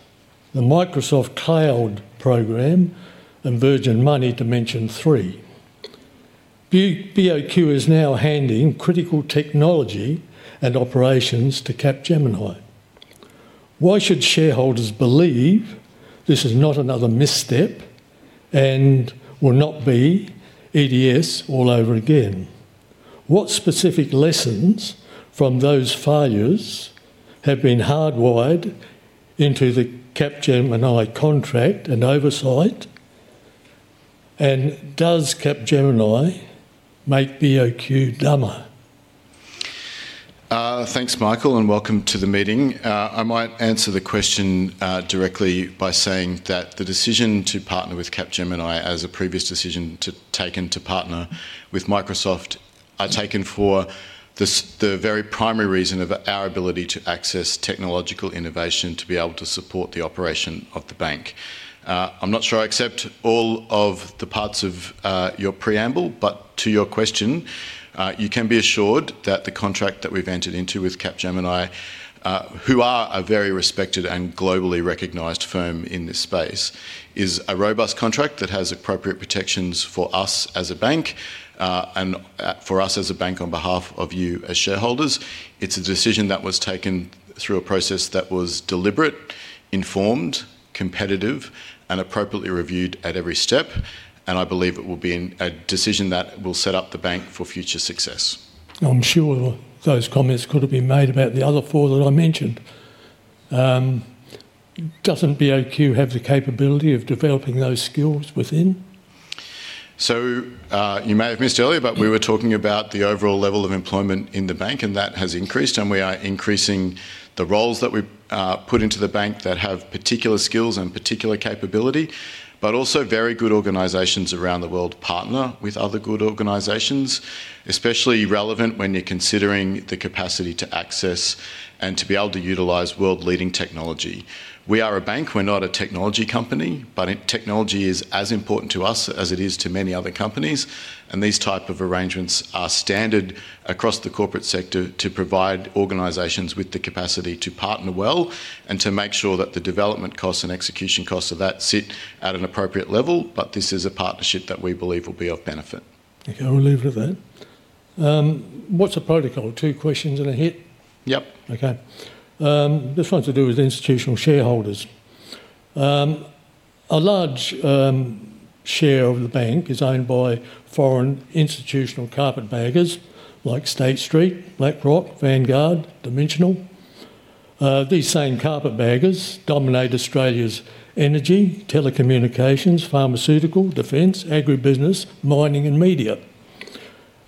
the Microsoft Cloud program, and Virgin Money Dimension 3. BOQ is now handing critical technology and operations to Capgemini. Why should shareholders believe this is not another misstep and will not be EDS all over again? What specific lessons from those failures have been hardwired into the Capgemini contract and oversight, and does Capgemini make BOQ dumber? Thanks, Michael, and welcome to the meeting. I might answer the question directly by saying that the decision to partner with Capgemini as a previous decision to take and to partner with Microsoft are taken for the very primary reason of our ability to access technological innovation to be able to support the operation of the bank. I'm not sure I accept all of the parts of your preamble, but to your question, you can be assured that the contract that we've entered into with Capgemini, who are a very respected and globally recognized firm in this space, is a robust contract that has appropriate protections for us as a bank and for us as a bank on behalf of you as shareholders. It's a decision that was taken through a process that was deliberate, informed, competitive, and appropriately reviewed at every step, and I believe it will be a decision that will set up the bank for future success. I'm sure those comments could have been made about the other four that I mentioned. Doesn't BOQ have the capability of developing those skills within? You may have missed earlier, but we were talking about the overall level of employment in the bank, and that has increased, and we are increasing the roles that we put into the bank that have particular skills and particular capability, but also very good organizations around the world partner with other good organizations, especially relevant when you're considering the capacity to access and to be able to utilize world-leading technology. We are a bank. We're not a technology company, but technology is as important to us as it is to many other companies, and these types of arrangements are standard across the corporate sector to provide organizations with the capacity to partner well and to make sure that the development costs and execution costs of that sit at an appropriate level, but this is a partnership that we believe will be of benefit. Okay, we'll leave it at that. What's the protocol? Two questions and a hit. Yep. Okay. This one's to do with institutional shareholders. A large share of the bank is owned by foreign institutional carpetbaggers like State Street, BlackRock, Vanguard, Dimensional. These same carpetbaggers dominate Australia's energy, telecommunications, pharmaceutical, defense, agribusiness, mining, and media.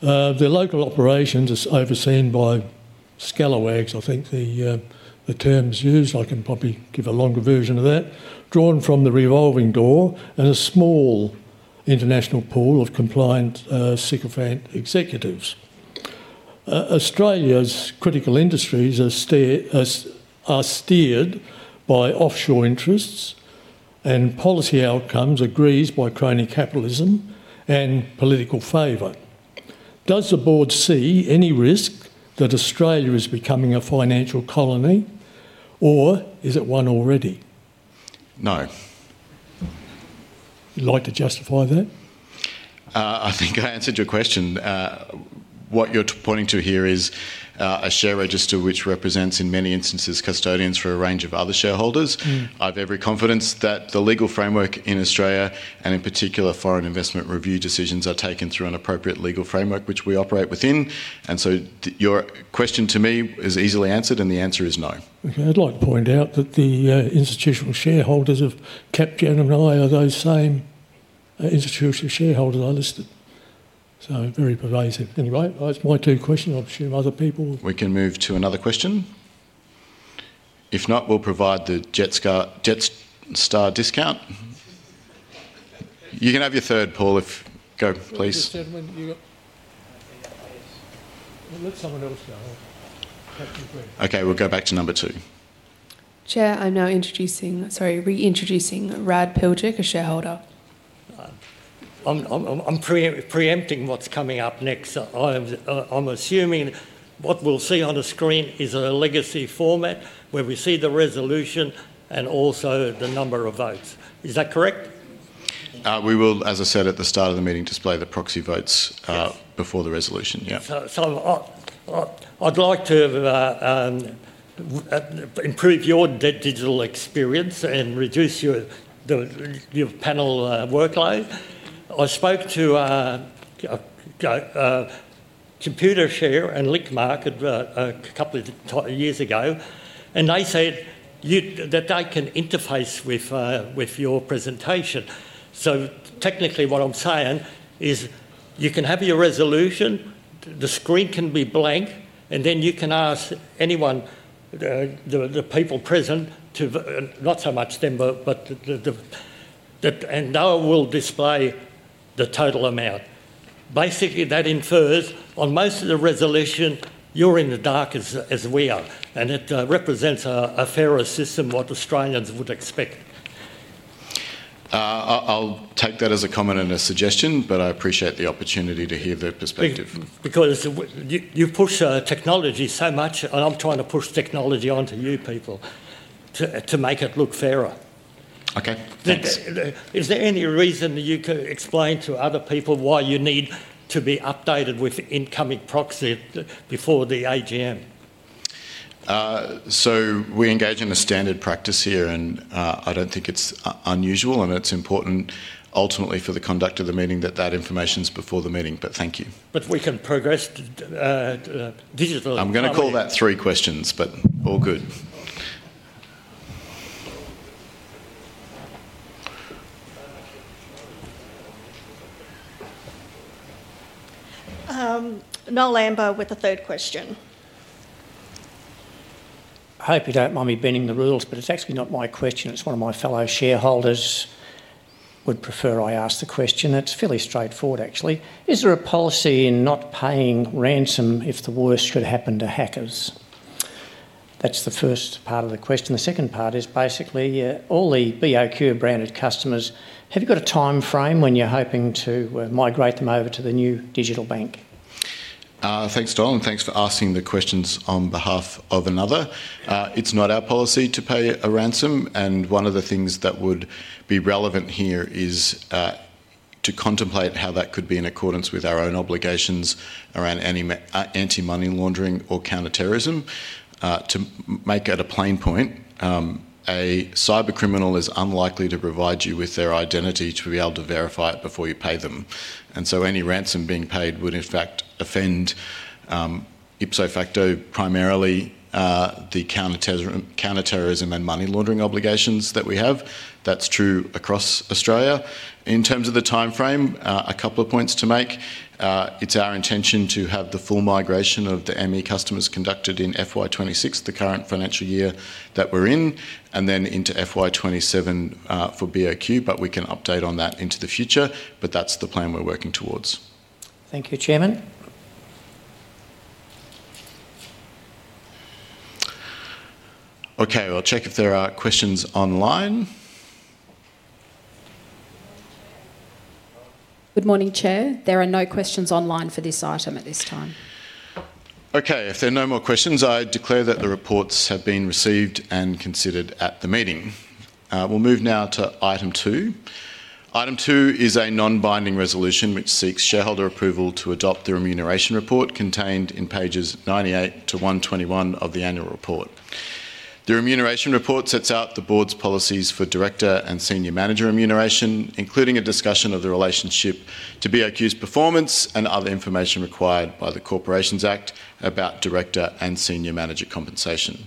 The local operations are overseen by scalawags, I think the term's used. I can probably give a longer version of that, drawn from the revolving door and a small international pool of compliant sycophant executives. Australia's critical industries are steered by offshore interests and policy outcomes agreed by crony capitalism and political favor. Does the board see any risk that Australia is becoming a financial colony, or is it one already? No. You'd like to justify that? I think I answered your question. What you're pointing to here is a share register which represents in many instances custodians for a range of other shareholders. I have every confidence that the legal framework in Australia and in particular foreign investment review decisions are taken through an appropriate legal framework which we operate within, and so your question to me is easily answered, and the answer is no. Okay. I'd like to point out that the institutional shareholders of Capgemini are those same institutional shareholders I listed. So very pervasive. Anyway, that's my two questions. I'll assume other people. We can move to another question. If not, we'll provide the JetStar discount. You can have your third, Paul, if go, please. Mr. Gentlemen, you got let someone else go. Okay, we'll go back to number two. Chair, I'm now introducing, sorry, re-introducing Rad Piljik, a shareholder. I'm preempting what's coming up next. I'm assuming what we'll see on the screen is a legacy format where we see the resolution and also the number of votes. Is that correct? We will, as I said at the start of the meeting, display the proxy votes before the resolution. Yeah. I'd like to improve your digital experience and reduce your panel workload. I spoke to Computershare and Link Market a couple of years ago, and they said that they can interface with your presentation. Technically, what I'm saying is you can have your resolution, the screen can be blank, and then you can ask anyone, the people present, to not so much them, but and they will display the total amount. Basically, that infers on most of the resolution, you're in the dark as we are, and it represents a fairer system what Australians would expect. I'll take that as a comment and a suggestion, but I appreciate the opportunity to hear their perspective. Because you push technology so much, and I'm trying to push technology onto you people to make it look fairer. Okay. Is there any reason you could explain to other people why you need to be updated with incoming proxy before the AGM? We engage in a standard practice here, and I don't think it's unusual, and it's important ultimately for the conduct of the meeting that that information's before the meeting, but thank you. We can progress digitally. I'm going to call that three questions, but all good. No lambo with a third question. I hope you don't mind me bending the rules, but it's actually not my question. It's one of my fellow shareholders would prefer I ask the question. It's fairly straightforward, actually. Is there a policy in not paying ransom if the worst could happen to hackers? That's the first part of the question. The second part is basically all the BOQ-branded customers, have you got a time frame when you're hoping to migrate them over to the new digital bank? Thanks, Don, and thanks for asking the questions on behalf of another. It's not our policy to pay a ransom, and one of the things that would be relevant here is to contemplate how that could be in accordance with our own obligations around anti-money laundering or counterterrorism. To make it a plain point, a cybercriminal is unlikely to provide you with their identity to be able to verify it before you pay them. Any ransom being paid would, in fact, offend ipso facto primarily the counterterrorism and money laundering obligations that we have. That's true across Australia. In terms of the time frame, a couple of points to make. It's our intention to have the full migration of the ME customers conducted in FY 2026, the current financial year that we're in, and then into FY 2027 for BOQ, but we can update on that into the future, but that's the plan we're working towards. Thank you, Chairman. Okay, I'll check if there are questions online. Good morning, Chair. There are no questions online for this item at this time. Okay, if there are no more questions, I declare that the reports have been received and considered at the meeting. We'll move now to item two. Item two is a non-binding resolution which seeks shareholder approval to adopt the remuneration report contained in pages 98 to 121 of the annual report. The remuneration report sets out the board's policies for director and senior manager remuneration, including a discussion of the relationship to BOQ's performance and other information required by the Corporations Act about director and senior manager compensation.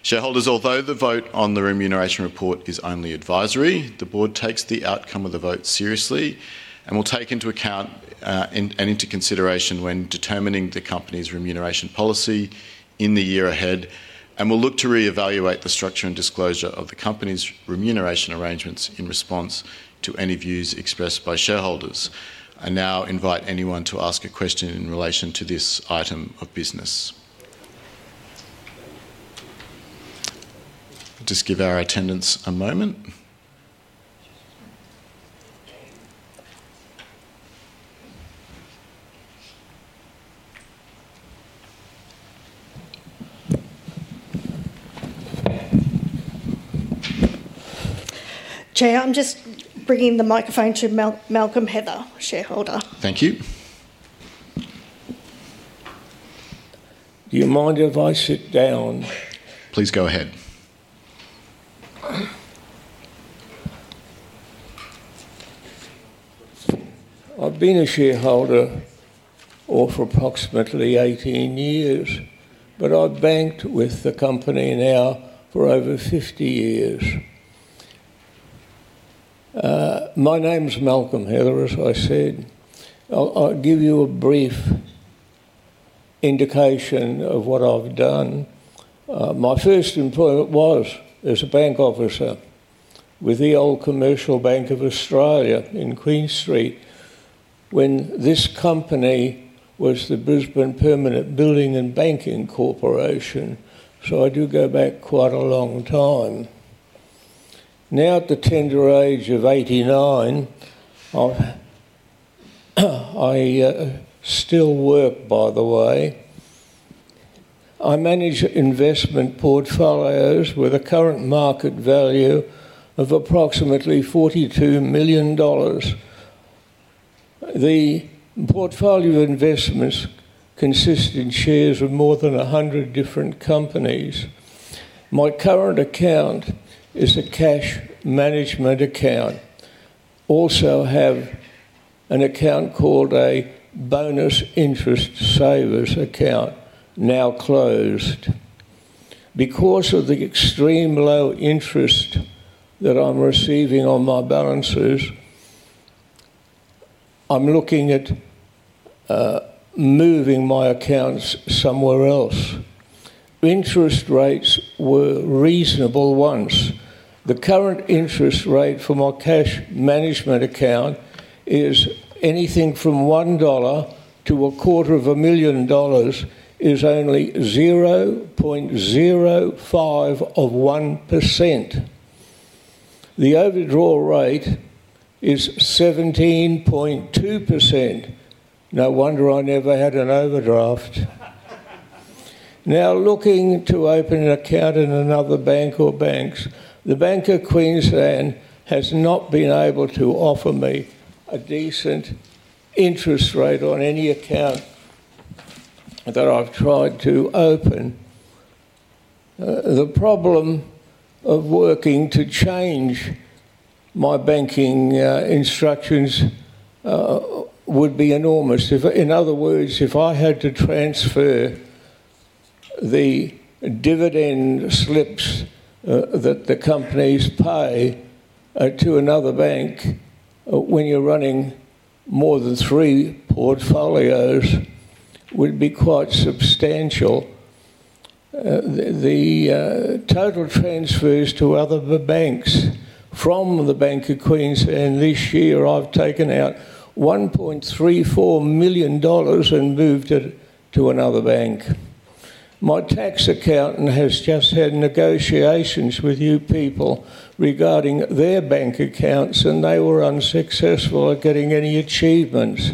Shareholders, although the vote on the remuneration report is only advisory, the board takes the outcome of the vote seriously and will take into account and into consideration when determining the company's remuneration policy in the year ahead, and will look to re-evaluate the structure and disclosure of the company's remuneration arrangements in response to any views expressed by shareholders. I now invite anyone to ask a question in relation to this item of business. Just give our attendance a moment. Chair, I'm just bringing the microphone to Malcolm Heather, shareholder. Thank you. Do you mind if I sit down? Please go ahead. I've been a shareholder for approximately 18 years, but I've banked with the company now for over 50 years. My name's Malcolm Heather, as I said. I'll give you a brief indication of what I've done. My first employment was as a bank officer with the old Commercial Bank of Australia in Queen Street when this company was the Brisbane Permanent Building and Banking Corporation, so I do go back quite a long time. Now, at the tender age of eighty-nine, I still work, by the way. I manage investment portfolios with a current market value of approximately 42 million dollars. The portfolio investments consist of shares of more than 100 different companies. My current account is a Cash Management Account. I also have an account called a Bonus Interest Savers Account, now closed. Because of the extreme low interest that I'm receiving on my balances, I'm looking at moving my accounts somewhere else. Interest rates were reasonable once. The current interest rate for my Cash Management Account is anything from 1 dollar to 250,000 dollars is only 0.05%. The overdrawal rate is 17.2%. No wonder I never had an overdraft. Now, looking to open an account in another bank or banks, the Bank of Queensland has not been able to offer me a decent interest rate on any account that I've tried to open. The problem of working to change my banking instructions would be enormous. In other words, if I had to transfer the dividend slips that the companies pay to another bank when you're running more than three portfolios, it would be quite substantial. The total transfers to other banks from the Bank of Queensland this year, I've taken out 1.34 million dollars and moved it to another bank. My tax accountant has just had negotiations with you people regarding their bank accounts, and they were unsuccessful at getting any achievements.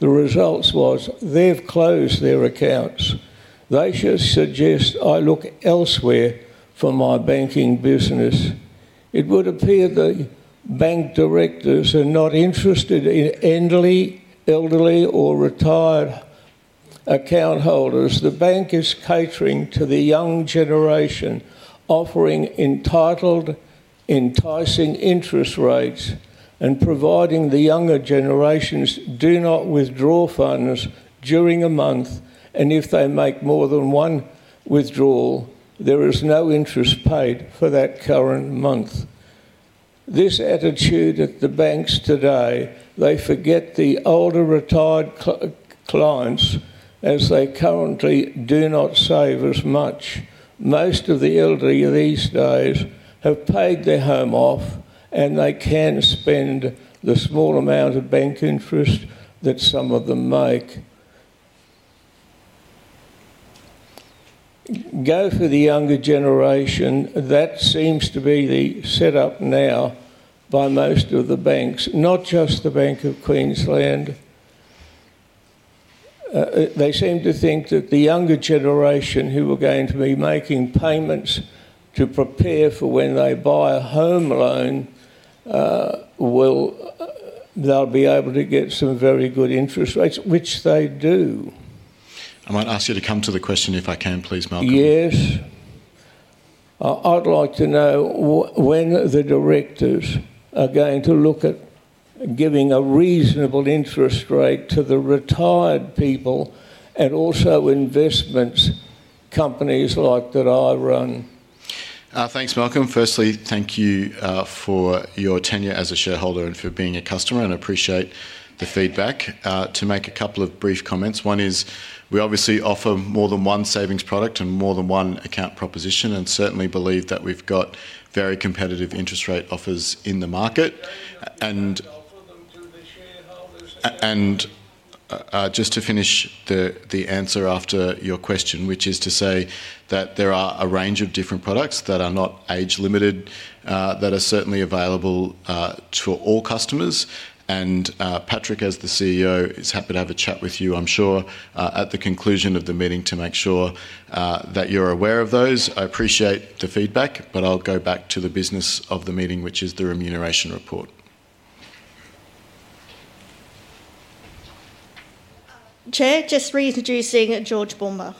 The result was they've closed their accounts. They should suggest I look elsewhere for my banking business. It would appear the bank directors are not interested in elderly or retired account holders. The bank is catering to the young generation, offering entitled, enticing interest rates and providing the younger generations do not withdraw funds during a month, and if they make more than one withdrawal, there is no interest paid for that current month. This attitude at the banks today, they forget the older retired clients as they currently do not save as much. Most of the elderly these days have paid their home off, and they can spend the small amount of bank interest that some of them make. Go for the younger generation. That seems to be the setup now by most of the banks, not just the Bank of Queensland. They seem to think that the younger generation who are going to be making payments to prepare for when they buy a home loan, they'll be able to get some very good interest rates, which they do. I might ask you to come to the question if I can, please, Malcolm. Yes. I'd like to know when the directors are going to look at giving a reasonable interest rate to the retired people and also investment companies like that I run? Thanks, Malcolm. Firstly, thank you for your tenure as a shareholder and for being a customer, and I appreciate the feedback. To make a couple of brief comments. One is we obviously offer more than one savings product and more than one account proposition, and certainly believe that we've got very competitive interest rate offers in the market. Just to finish the answer after your question, which is to say that there are a range of different products that are not age-limited, that are certainly available to all customers. Patrick, as the CEO, is happy to have a chat with you, I'm sure, at the conclusion of the meeting to make sure that you're aware of those. I appreciate the feedback, but I'll go back to the business of the meeting, which is the remuneration report. Chair, just reintroducing George Baumber.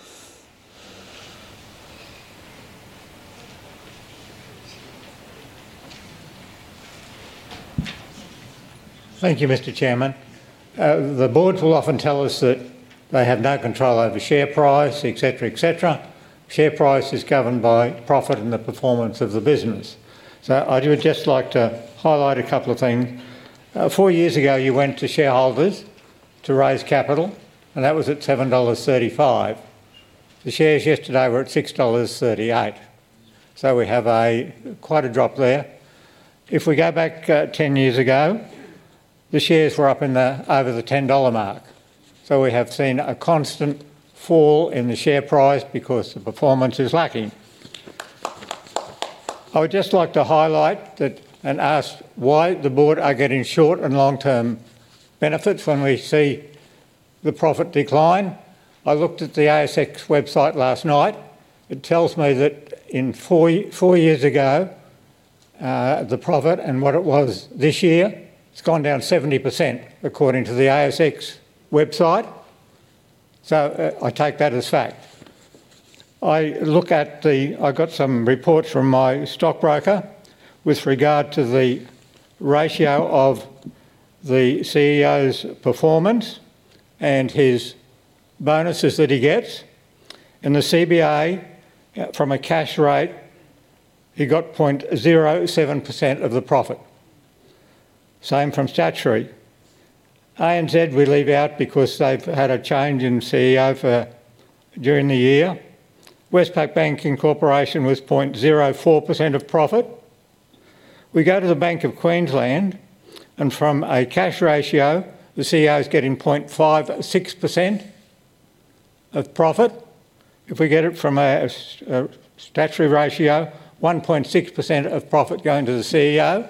Thank you, Mr. Chairman. The board will often tell us that they have no control over share price, etc., etc. Share price is governed by profit and the performance of the business. I do just like to highlight a couple of things. Four years ago, you went to shareholders to raise capital, and that was at 7.35 dollars. The shares yesterday were at 6.38 dollars. We have quite a drop there. If we go back 10 years ago, the shares were up over the 10 dollar mark. We have seen a constant fall in the share price because the performance is lacking. I would just like to highlight that and ask why the board are getting short and long-term benefits when we see the profit decline. I looked at the ASX website last night. It tells me that four years ago, the profit and what it was this year, it has gone down 70% according to the ASX website. I take that as fact. I look at the reports from my stockbroker with regard to the ratio of the CEO's performance and his bonuses that he gets. The CBA, from a cash rate, he got 0.07% of the profit. Same from statutory. ANZ we leave out because they've had a change in CEO during the year. Westpac Banking Corporation was 0.04% of profit. We go to the Bank of Queensland, and from a cash ratio, the CEO is getting 0.56% of profit. If we get it from a statutory ratio, 1.6% of profit going to the CEO.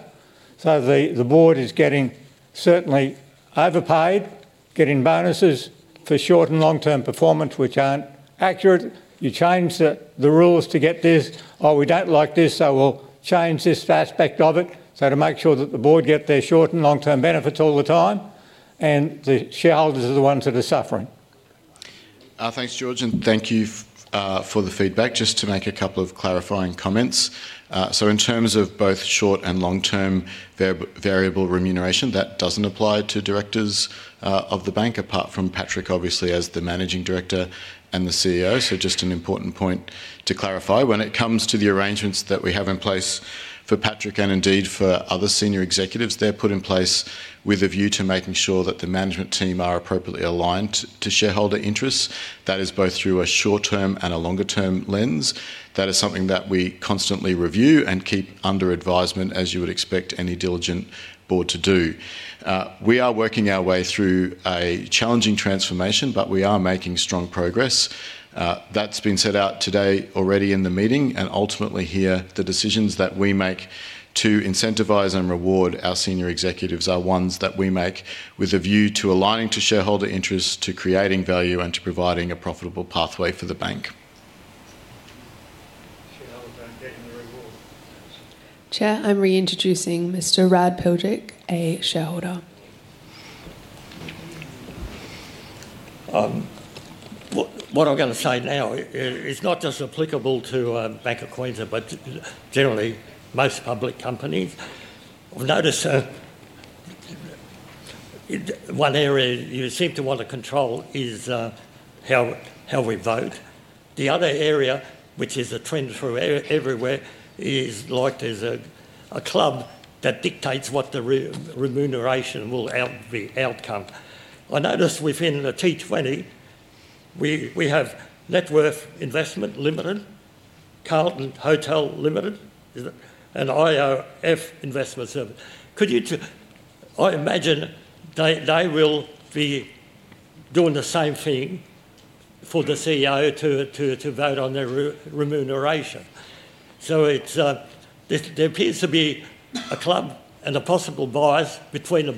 The board is getting certainly overpaid, getting bonuses for short and long-term performance, which aren't accurate. You change the rules to get this. Oh, we don't like this, so we'll change this aspect of it. To make sure that the board gets their short and long-term benefits all the time, and the shareholders are the ones that are suffering. Thanks, George, and thank you for the feedback. Just to make a couple of clarifying comments. In terms of both short and long-term variable remuneration, that does not apply to directors of the bank, apart from Patrick, obviously, as the Managing Director and the CEO. Just an important point to clarify. When it comes to the arrangements that we have in place for Patrick and indeed for other senior executives, they are put in place with a view to making sure that the management team are appropriately aligned to shareholder interests. That is both through a short-term and a longer-term lens. That is something that we constantly review and keep under advisement, as you would expect any diligent board to do. We are working our way through a challenging transformation, but we are making strong progress. That's been set out today already in the meeting, and ultimately here, the decisions that we make to incentivize and reward our senior executives are ones that we make with a view to aligning to shareholder interests, to creating value, and to providing a profitable pathway for the bank. Chair, I'm reintroducing Mr. Rad Piljik, a shareholder. What I'm going to say now is not just applicable to Bank of Queensland, but generally most public companies. I've noticed one area you seem to want to control is how we vote. The other area, which is a trend through everywhere, is like there's a club that dictates what the remuneration will be outcome. I noticed within the T20, we have Netwealth Investments Limited, Carlton Investments Limited, and IOOF Investment Services. I imagine they will be doing the same thing for the CEO to vote on their remuneration. There appears to be a club and a possible bias between the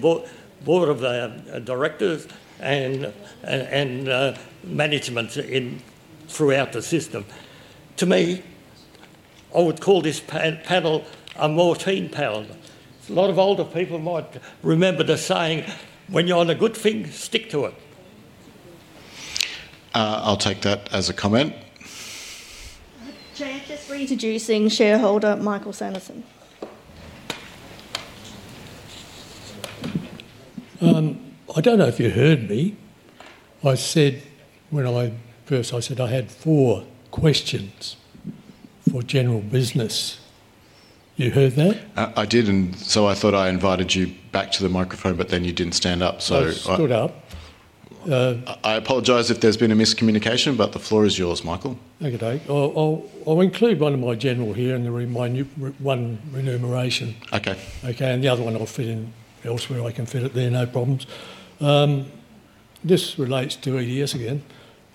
board of directors and management throughout the system. To me, I would call this panel a Mortein panel. A lot of older people might remember the saying, "When you're on a good thing, stick to it." I'll take that as a comment. Chair, just reintroducing shareholder Michael Sanderson. I don't know if you heard me. When I first, I said I had four questions for general business. You heard that? I did, and so I thought I invited you back to the microphone, but then you didn't stand up. I stood up. I apologize if there's been a miscommunication, but the floor is yours, Michael. Okay, thanks. I'll include one of my general here in my one remuneration. Okay. Okay, and the other one I'll fit in elsewhere. I can fit it there, no problems. This relates to EDS again.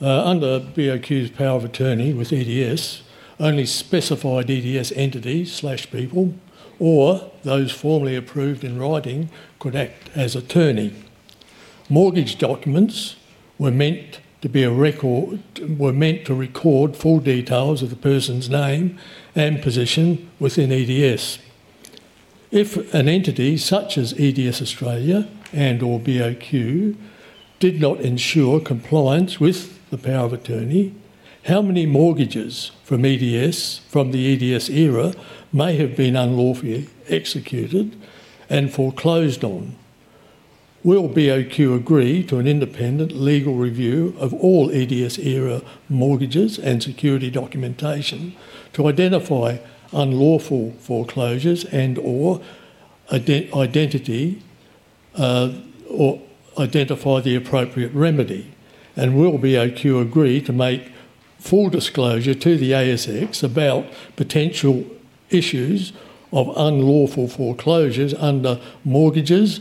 Under BOQ's power of attorney with EDS, only specified EDS entities/people or those formally approved in writing could act as attorney. Mortgage documents were meant to be a record, were meant to record full details of the person's name and position within EDS. If an entity such as EDS Australia and/or BOQ did not ensure compliance with the power of attorney, how many mortgages from EDS from the EDS era may have been unlawfully executed and foreclosed on? Will BOQ agree to an independent legal review of all EDS era mortgages and security documentation to identify unlawful foreclosures and/or identify the appropriate remedy? Will BOQ agree to make full disclosure to the ASX about potential issues of unlawful foreclosures under mortgages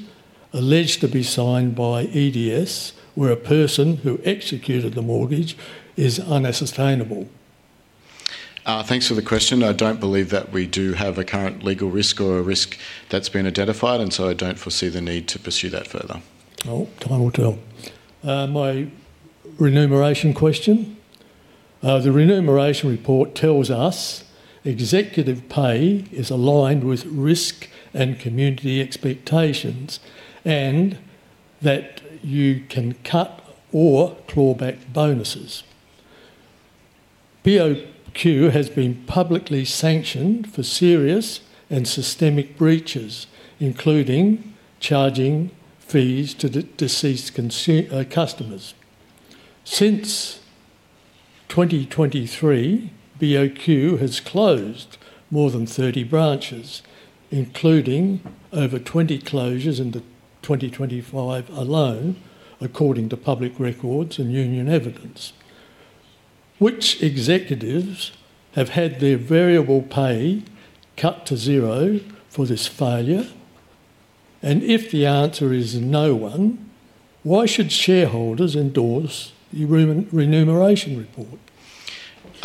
alleged to be signed by EDS where a person who executed the mortgage is unsustainable? Thanks for the question. I don't believe that we do have a current legal risk or a risk that's been identified, and so I don't foresee the need to pursue that further. Oh, time will tell. My remuneration question. The remuneration report tells us executive pay is aligned with risk and community expectations and that you can cut or claw back bonuses. BOQ has been publicly sanctioned for serious and systemic breaches, including charging fees to deceased customers. Since 2023, BOQ has closed more than 30 branches, including over 20 closures in 2025 alone, according to public records and union evidence. Which executives have had their variable pay cut to zero for this failure? If the answer is no one, why should shareholders endorse the remuneration report?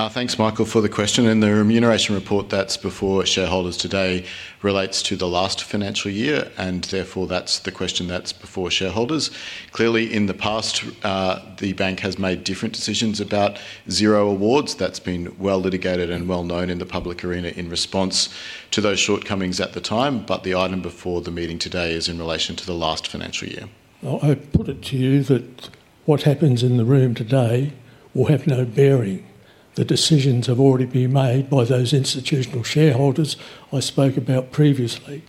Thanks, Michael, for the question. The remuneration report that's before shareholders today relates to the last financial year, and therefore that's the question that's before shareholders. Clearly, in the past, the bank has made different decisions about zero awards. That's been well litigated and well known in the public arena in response to those shortcomings at the time, but the item before the meeting today is in relation to the last financial year. I put it to you that what happens in the room today will have no bearing. The decisions have already been made by those institutional shareholders I spoke about previously.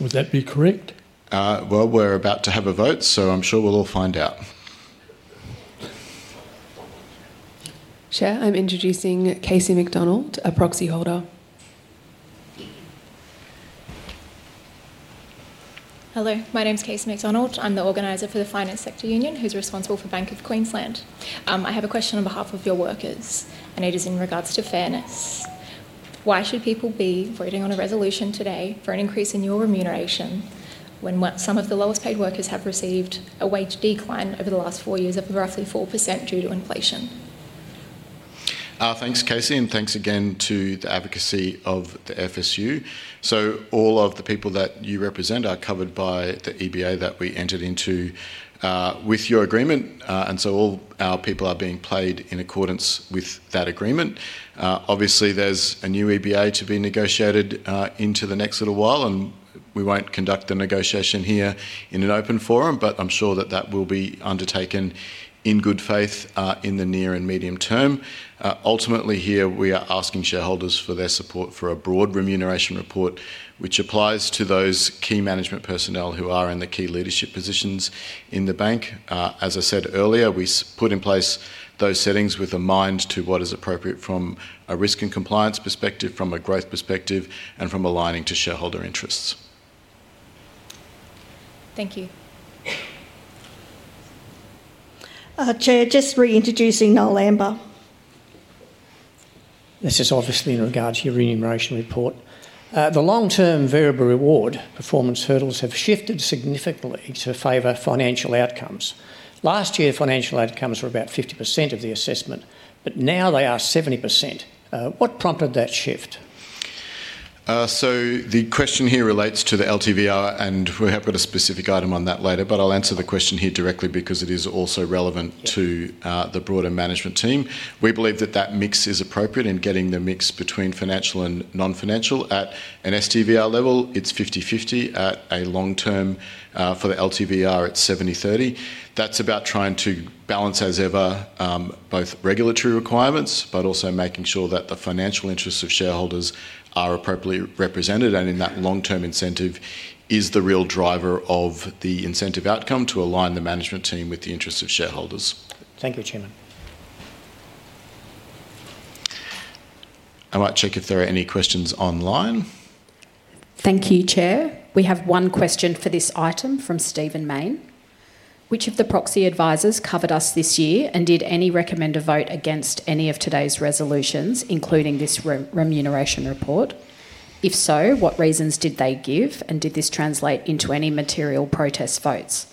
Would that be correct? We are about to have a vote, so I'm sure we'll all find out. Chair, I'm introducing Casey McDonald, a proxy holder. Hello, my name's Casey McDonald. I'm the organizer for the Finance Sector Union, who's responsible for Bank of Queensland. I have a question on behalf of your workers, and it is in regards to fairness. Why should people be voting on a resolution today for an increase in your remuneration when some of the lowest paid workers have received a wage decline over the last four years of roughly 4% due to inflation? Thanks, Casey, and thanks again to the advocacy of the FSU. All of the people that you represent are covered by the EBA that we entered into with your agreement, and all our people are being paid in accordance with that agreement. Obviously, there is a new EBA to be negotiated in the next little while, and we will not conduct the negotiation here in an open forum, but I am sure that will be undertaken in good faith in the near and medium term. Ultimately, here we are asking shareholders for their support for a broad remuneration report, which applies to those key management personnel who are in the key leadership positions in the bank. As I said earlier, we put in place those settings with a mind to what is appropriate from a risk and compliance perspective, from a growth perspective, and from aligning to shareholder interests. Thank you. Chair, just reintroducing Noel Ambler. This is obviously in regards to your remuneration report. The long-term variable reward performance hurdles have shifted significantly to favor financial outcomes. Last year, financial outcomes were about 50% of the assessment, but now they are 70%. What prompted that shift? The question here relates to the LTVR, and we will have a specific item on that later, but I will answer the question here directly because it is also relevant to the broader management team. We believe that that mix is appropriate in getting the mix between financial and non-financial. At an STVR level, it's 50/50. At a long term for the LTVR, it's 70/30. That's about trying to balance, as ever, both regulatory requirements, but also making sure that the financial interests of shareholders are appropriately represented. In that long-term incentive is the real driver of the incentive outcome to align the management team with the interests of shareholders. Thank you, Chairman. I might check if there are any questions online. Thank you, Chair. We have one question for this item from Stephen Mayne. Which of the proxy advisers covered us this year, and did any recommend a vote against any of today's resolutions, including this remuneration report? If so, what reasons did they give, and did this translate into any material protest votes?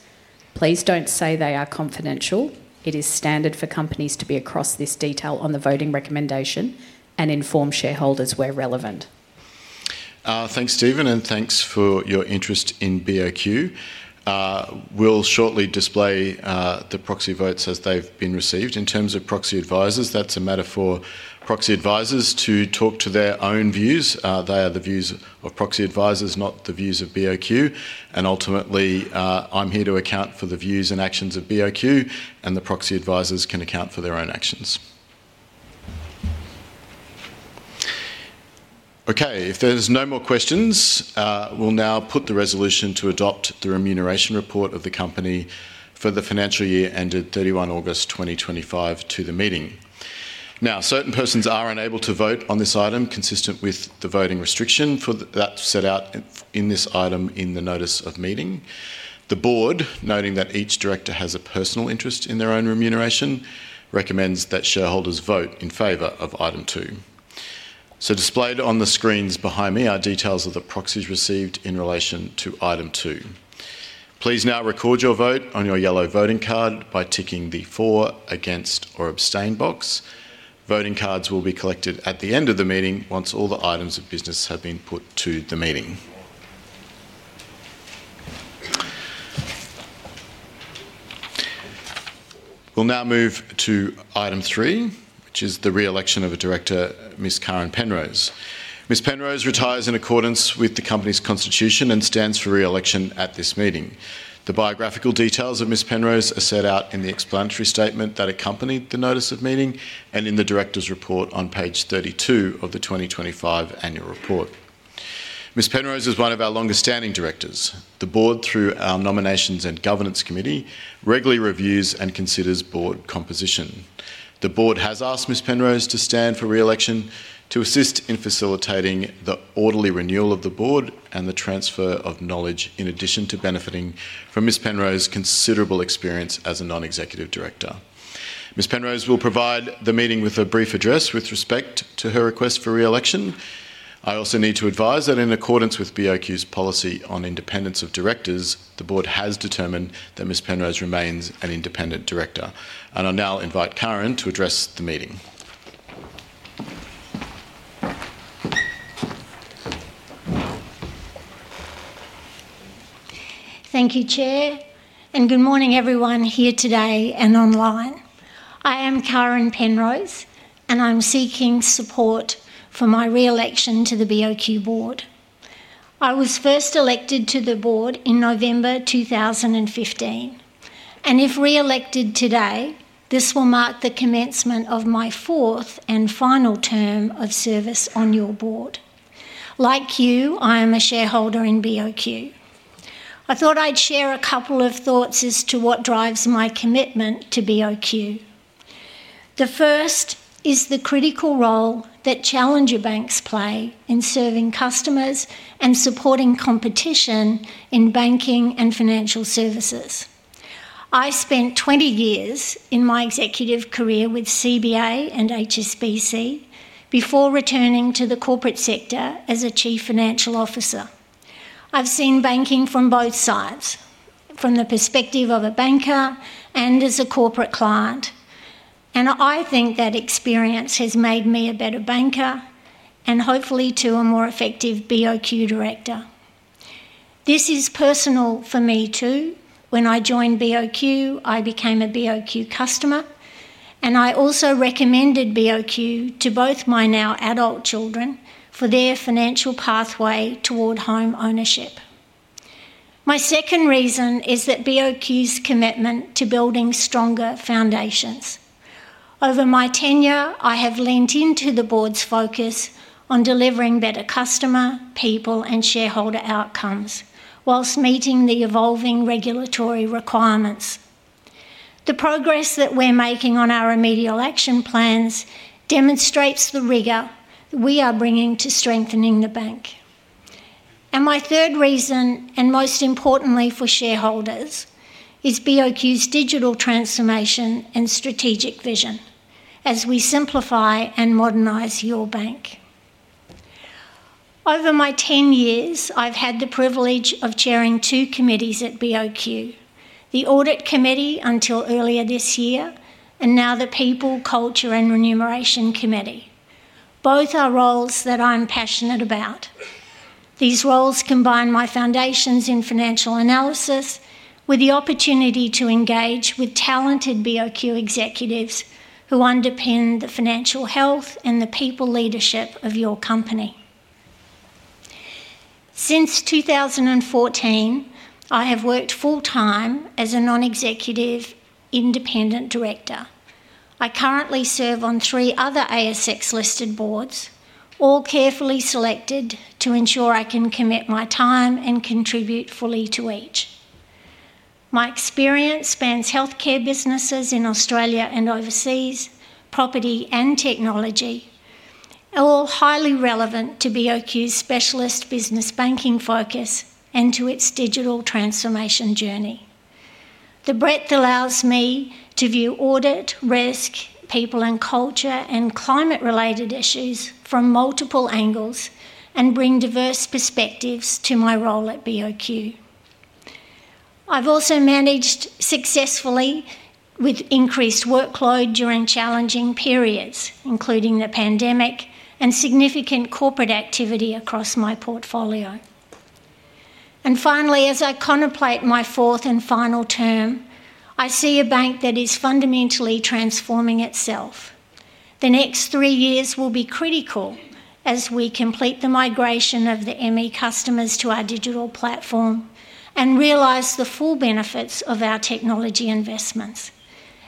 Please don't say they are confidential. It is standard for companies to be across this detail on the voting recommendation and inform shareholders where relevant. Thanks, Stephen, and thanks for your interest in BOQ. We'll shortly display the proxy votes as they've been received. In terms of proxy advisers, that's a matter for proxy advisers to talk to their own views. They are the views of proxy advisers, not the views of BOQ. Ultimately, I'm here to account for the views and actions of BOQ, and the proxy advisers can account for their own actions. If there's no more questions, we'll now put the resolution to adopt the remuneration report of the company for the financial year ended 31 August 2025 to the meeting. Now, certain persons are unable to vote on this item consistent with the voting restriction that's set out in this item in the notice of meeting. The board, noting that each director has a personal interest in their own remuneration, recommends that shareholders vote in favor of item two. Displayed on the screens behind me are details of the proxies received in relation to item two. Please now record your vote on your yellow voting card by ticking the for, against, or abstain box. Voting cards will be collected at the end of the meeting once all the items of business have been put to the meeting. We'll now move to item three, which is the re-election of a director, Miss Karen Penrose. Miss Penrose retires in accordance with the company's constitution and stands for re-election at this meeting. The biographical details of Miss Penrose are set out in the explanatory statement that accompanied the notice of meeting and in the director's report on page 32 of the 2025 annual report. Miss Penrose is one of our longest standing directors. The board, through our Nominations and Governance Committee, regularly reviews and considers board composition. The board has asked Miss Penrose to stand for re-election to assist in facilitating the orderly renewal of the board and the transfer of knowledge in addition to benefiting from Miss Penrose's considerable experience as a non-executive director. Miss Penrose will provide the meeting with a brief address with respect to her request for re-election. I also need to advise that in accordance with BOQ's policy on independence of directors, the board has determined that Miss Penrose remains an independent director. I will now invite Karen to address the meeting. Thank you, Chair, and good morning, everyone here today and online. I am Karen Penrose, and I'm seeking support for my re-election to the BOQ board. I was first elected to the board in November 2015, and if re-elected today, this will mark the commencement of my fourth and final term of service on your board. Like you, I am a shareholder in BOQ. I thought I'd share a couple of thoughts as to what drives my commitment to BOQ. The first is the critical role that challenger banks play in serving customers and supporting competition in banking and financial services. I spent 20 years in my executive career with CBA and HSBC before returning to the corporate sector as a chief financial officer. I've seen banking from both sides, from the perspective of a banker and as a corporate client, and I think that experience has made me a better banker and hopefully to a more effective BOQ director. This is personal for me too. When I joined BOQ, I became a BOQ customer, and I also recommended BOQ to both my now adult children for their financial pathway toward home ownership. My second reason is that BOQ's commitment to building stronger foundations. Over my tenure, I have leaned into the board's focus on delivering better customer, people, and shareholder outcomes whilst meeting the evolving regulatory requirements. The progress that we're making on our remedial action plans demonstrates the rigor that we are bringing to strengthening the bank. My third reason, and most importantly for shareholders, is BOQ's digital transformation and strategic vision as we simplify and modernize your bank. Over my 10 years, I've had the privilege of chairing two committees at BOQ: the audit committee until earlier this year and now the people, culture, and remuneration committee. Both are roles that I'm passionate about. These roles combine my foundations in financial analysis with the opportunity to engage with talented BOQ executives who underpin the financial health and the people leadership of your company. Since 2014, I have worked full-time as a non-executive independent director. I currently serve on three other ASX-listed boards, all carefully selected to ensure I can commit my time and contribute fully to each. My experience spans healthcare businesses in Australia and overseas, property and technology, all highly relevant to BOQ's specialist business banking focus and to its digital transformation journey. The breadth allows me to view audit, risk, people and culture, and climate-related issues from multiple angles and bring diverse perspectives to my role at BOQ. I've also managed successfully with increased workload during challenging periods, including the pandemic and significant corporate activity across my portfolio. Finally, as I contemplate my fourth and final term, I see a bank that is fundamentally transforming itself. The next three years will be critical as we complete the migration of the ME customers to our digital platform and realize the full benefits of our technology investments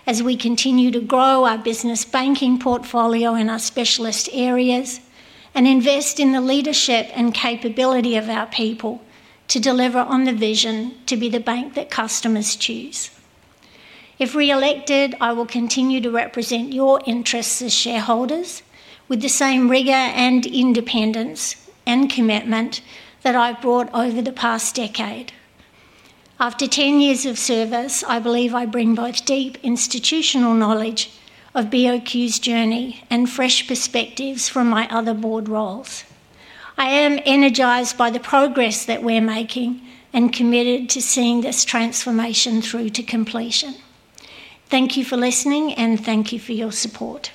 as we continue to grow our business banking portfolio and our specialist areas and invest in the leadership and capability of our people to deliver on the vision to be the bank that customers choose. If re-elected, I will continue to represent your interests as shareholders with the same rigor and independence and commitment that I've brought over the past decade. After 10 years of service, I believe I bring both deep institutional knowledge of BOQ's journey and fresh perspectives from my other board roles. I am energized by the progress that we're making and committed to seeing this transformation through to completion. Thank you for listening, and thank you for your support.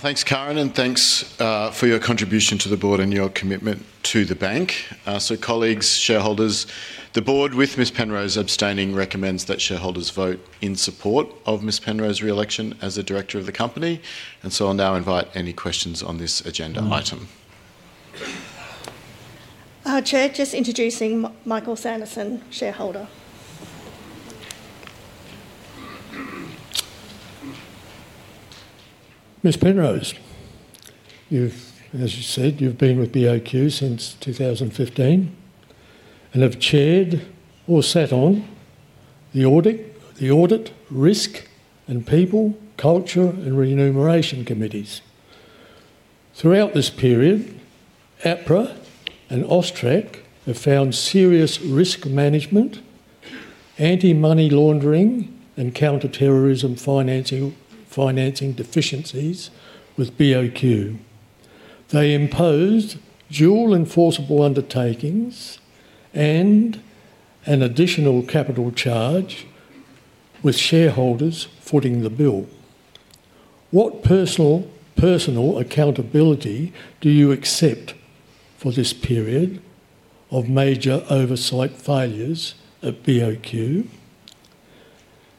Thanks, Karen, and thanks for your contribution to the board and your commitment to the bank. Colleagues, shareholders, the board with Miss Penrose abstaining recommends that shareholders vote in support of Miss Penrose's re-election as the director of the company. I'll now invite any questions on this agenda item. Chair, just introducing Michael Sanderson, shareholder. Miss Penrose, as you said, you've been with BOQ since 2015 and have chaired or sat on the audit, risk, and people, culture, and remuneration committees. Throughout this period, APRA and AUSTRAC have found serious risk management, anti-money laundering, and counter-terrorism financing deficiencies with BOQ. They imposed dual enforceable undertakings and an additional capital charge with shareholders footing the bill. What personal accountability do you accept for this period of major oversight failures at BOQ?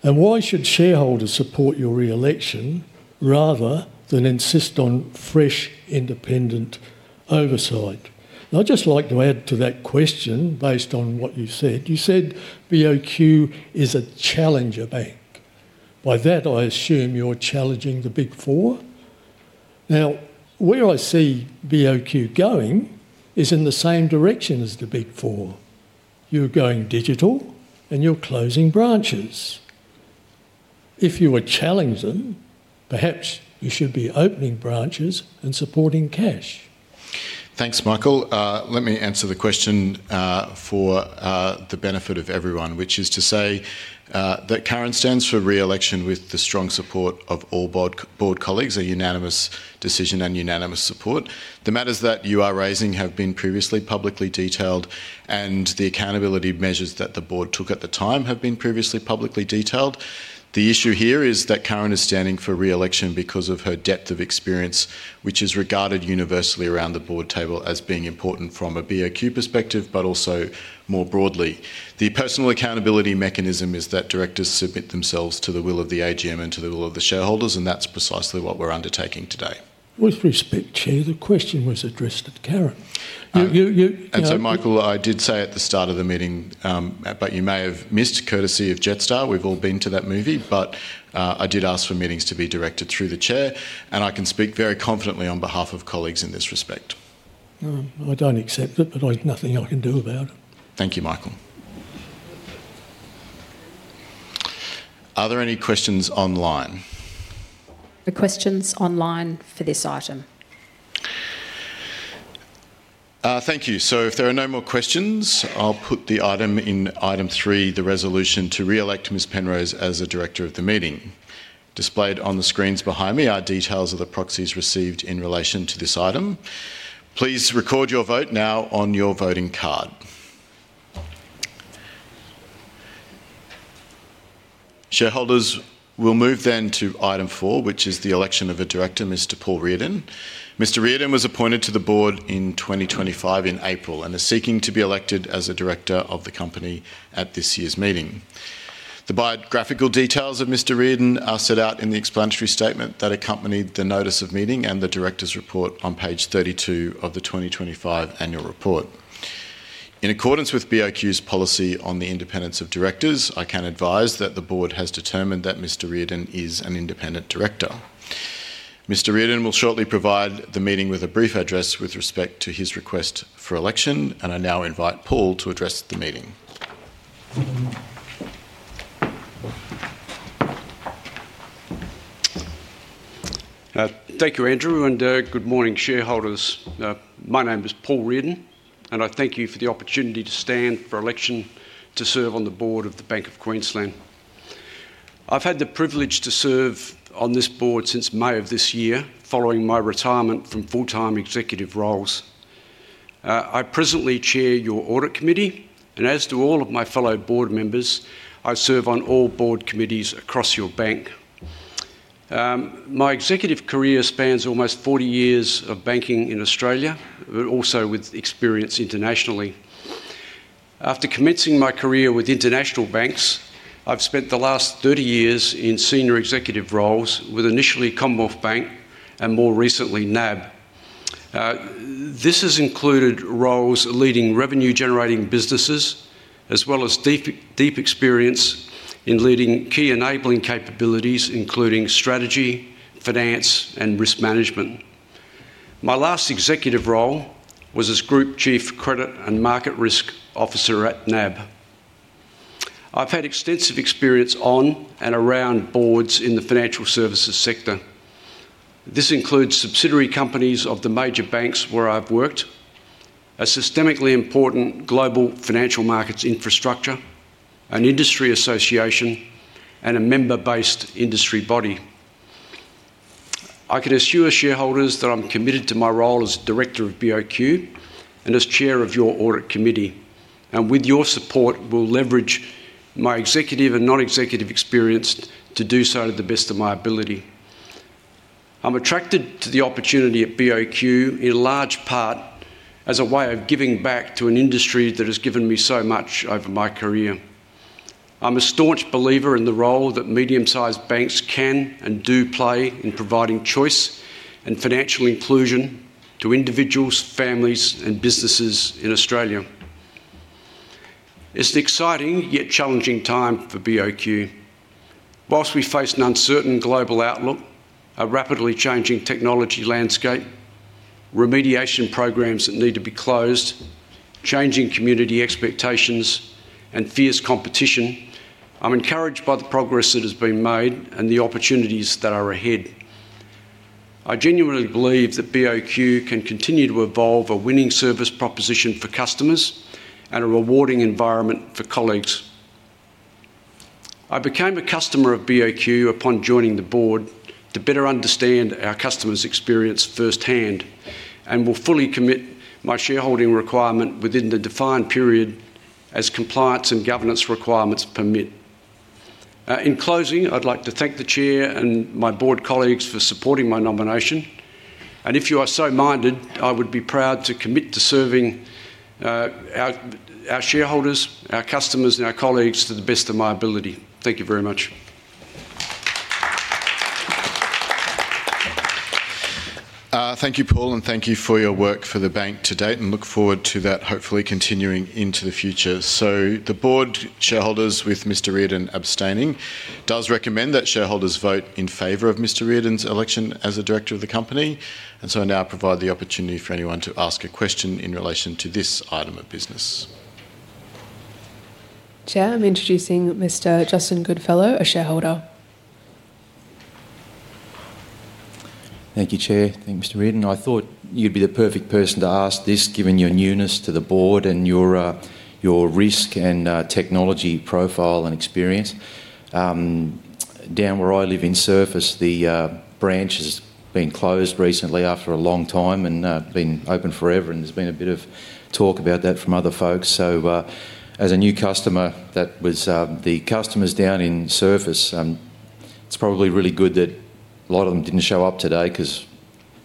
Why should shareholders support your re-election rather than insist on fresh independent oversight? I'd just like to add to that question based on what you said. You said BOQ is a challenger bank. By that, I assume you're challenging the Big Four. Now, where I see BOQ going is in the same direction as the Big Four. You're going digital, and you're closing branches. If you were challenging, perhaps you should be opening branches and supporting cash. Thanks, Michael. Let me answer the question for the benefit of everyone, which is to say that Karen stands for re-election with the strong support of all board colleagues, a unanimous decision and unanimous support. The matters that you are raising have been previously publicly detailed, and the accountability measures that the board took at the time have been previously publicly detailed. The issue here is that Karen is standing for re-election because of her depth of experience, which is regarded universally around the board table as being important from a BOQ perspective, but also more broadly. The personal accountability mechanism is that directors submit themselves to the will of the AGM and to the will of the shareholders, and that's precisely what we're undertaking today. With respect, Chair, the question was addressed to Karen. Michael, I did say at the start of the meeting, but you may have missed courtesy of Jetstar. We've all been to that movie, but I did ask for meetings to be directed through the chair, and I can speak very confidently on behalf of colleagues in this respect. I don't accept it, but there's nothing I can do about it. Thank you, Michael. Are there any questions online? The questions online for this item. Thank you. If there are no more questions, I'll put the item in item three, the resolution to re-elect Miss Penrose as a director of the meeting. Displayed on the screens behind me are details of the proxies received in relation to this item. Please record your vote now on your voting card. Shareholders, we'll move then to item four, which is the election of a director, Mr. Paul Riordan. Mr. Riordan was appointed to the board in 2025 in April and is seeking to be elected as a director of the company at this year's meeting. The biographical details of Mr. Riordan are set out in the explanatory statement that accompanied the notice of meeting and the director's report on page 32 of the 2025 annual report. In accordance with BOQ's policy on the independence of directors, I can advise that the board has determined that Mr. Riordan is an independent director. Mr. Riordan will shortly provide the meeting with a brief address with respect to his request for election, and I now invite Paul to address the meeting. Thank you, Andrew, and good morning, shareholders. My name is Paul Riordan, and I thank you for the opportunity to stand for election to serve on the board of the Bank of Queensland. I've had the privilege to serve on this board since May of this year, following my retirement from full-time executive roles. I presently chair your Audit Committee, and as do all of my fellow board members, I serve on all board committees across your bank. My executive career spans almost 40 years of banking in Australia, but also with experience internationally. After commencing my career with international banks, I've spent the last 30 years in senior executive roles with initially Commonwealth Bank and more recently NAB. This has included roles leading revenue-generating businesses as well as deep experience in leading key enabling capabilities, including strategy, finance, and risk management. My last executive role was as Group Chief Credit and Market Risk Officer at NAB. I've had extensive experience on and around boards in the financial services sector. This includes subsidiary companies of the major banks where I've worked, a systemically important global financial markets infrastructure, an industry association, and a member-based industry body. I can assure shareholders that I'm committed to my role as Director of BOQ and as Chair of your Audit Committee, and with your support, we'll leverage my executive and non-executive experience to do so to the best of my ability. I'm attracted to the opportunity at BOQ in large part as a way of giving back to an industry that has given me so much over my career. I'm a staunch believer in the role that medium-sized banks can and do play in providing choice and financial inclusion to individuals, families, and businesses in Australia. It's an exciting yet challenging time for BOQ. Whilst we face an uncertain global outlook, a rapidly changing technology landscape, remediation programs that need to be closed, changing community expectations, and fierce competition, I'm encouraged by the progress that has been made and the opportunities that are ahead. I genuinely believe that BOQ can continue to evolve a winning service proposition for customers and a rewarding environment for colleagues. I became a customer of BOQ upon joining the board to better understand our customers' experience firsthand and will fully commit my shareholding requirement within the defined period as compliance and governance requirements permit. In closing, I'd like to thank the chair and my board colleagues for supporting my nomination, and if you are so minded, I would be proud to commit to serving our shareholders, our customers, and our colleagues to the best of my ability. Thank you very much. Thank you, Paul, and thank you for your work for the bank to date, and look forward to that hopefully continuing into the future. The board shareholders, with Mr. Riordan abstaining, does recommend that shareholders vote in favor of Mr. Riordan's election as a director of the company, and now I provide the opportunity for anyone to ask a question in relation to this item of business. Chair, I am introducing Mr. Justin Goodfellow, a shareholder. Thank you, Chair. Thank you, Mr. Riordan. I thought you'd be the perfect person to ask this given your newness to the board and your risk and technology profile and experience. Down where I live in Surfers, the branch has been closed recently after a long time and been open forever, and there's been a bit of talk about that from other folks. As a new customer, that was the customers down in Surfers. It's probably really good that a lot of them didn't show up today because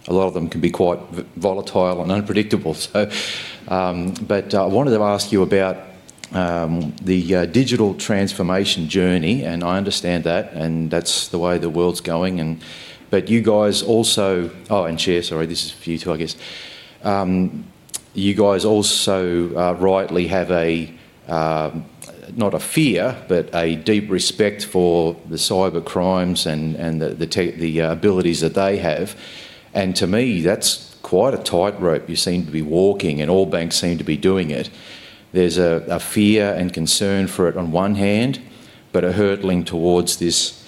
a lot of them can be quite volatile and unpredictable. I wanted to ask you about the digital transformation journey, and I understand that, and that's the way the world's going. You guys also—oh, and Chair, sorry, this is for you too, I guess. You guys also rightly have a—not a fear, but a deep respect for the cyber crimes and the abilities that they have. To me, that's quite a tightrope you seem to be walking, and all banks seem to be doing it. There's a fear and concern for it on one hand, but a hurtling towards this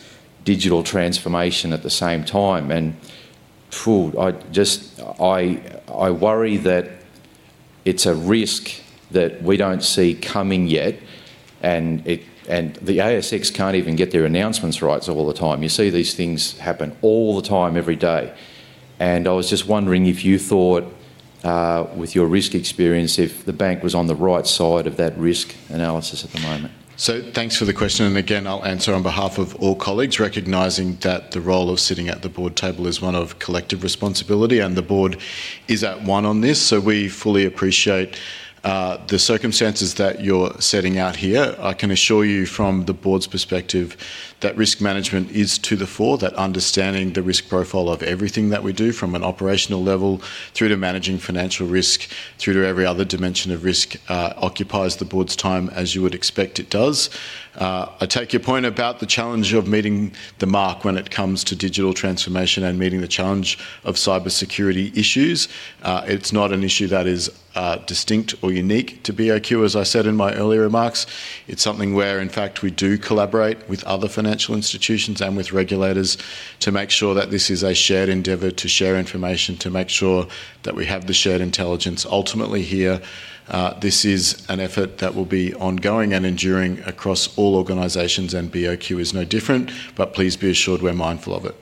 digital transformation at the same time. Food, I just—I worry that it's a risk that we don't see coming yet, and the ASX can't even get their announcements right all the time. You see these things happen all the time, every day. I was just wondering if you thought, with your risk experience, if the bank was on the right side of that risk analysis at the moment. Thanks for the question, and again, I'll answer on behalf of all colleagues, recognizing that the role of sitting at the board table is one of collective responsibility, and the board is at one on this. We fully appreciate the circumstances that you're setting out here. I can assure you from the board's perspective that risk management is to the fore, that understanding the risk profile of everything that we do, from an operational level through to managing financial risk, through to every other dimension of risk, occupies the board's time as you would expect it does. I take your point about the challenge of meeting the mark when it comes to digital transformation and meeting the challenge of cybersecurity issues. It's not an issue that is distinct or unique to BOQ, as I said in my earlier remarks. It's something where, in fact, we do collaborate with other financial institutions and with regulators to make sure that this is a shared endeavor to share information, to make sure that we have the shared intelligence ultimately here. This is an effort that will be ongoing and enduring across all organizations, and BOQ is no different, but please be assured we're mindful of it.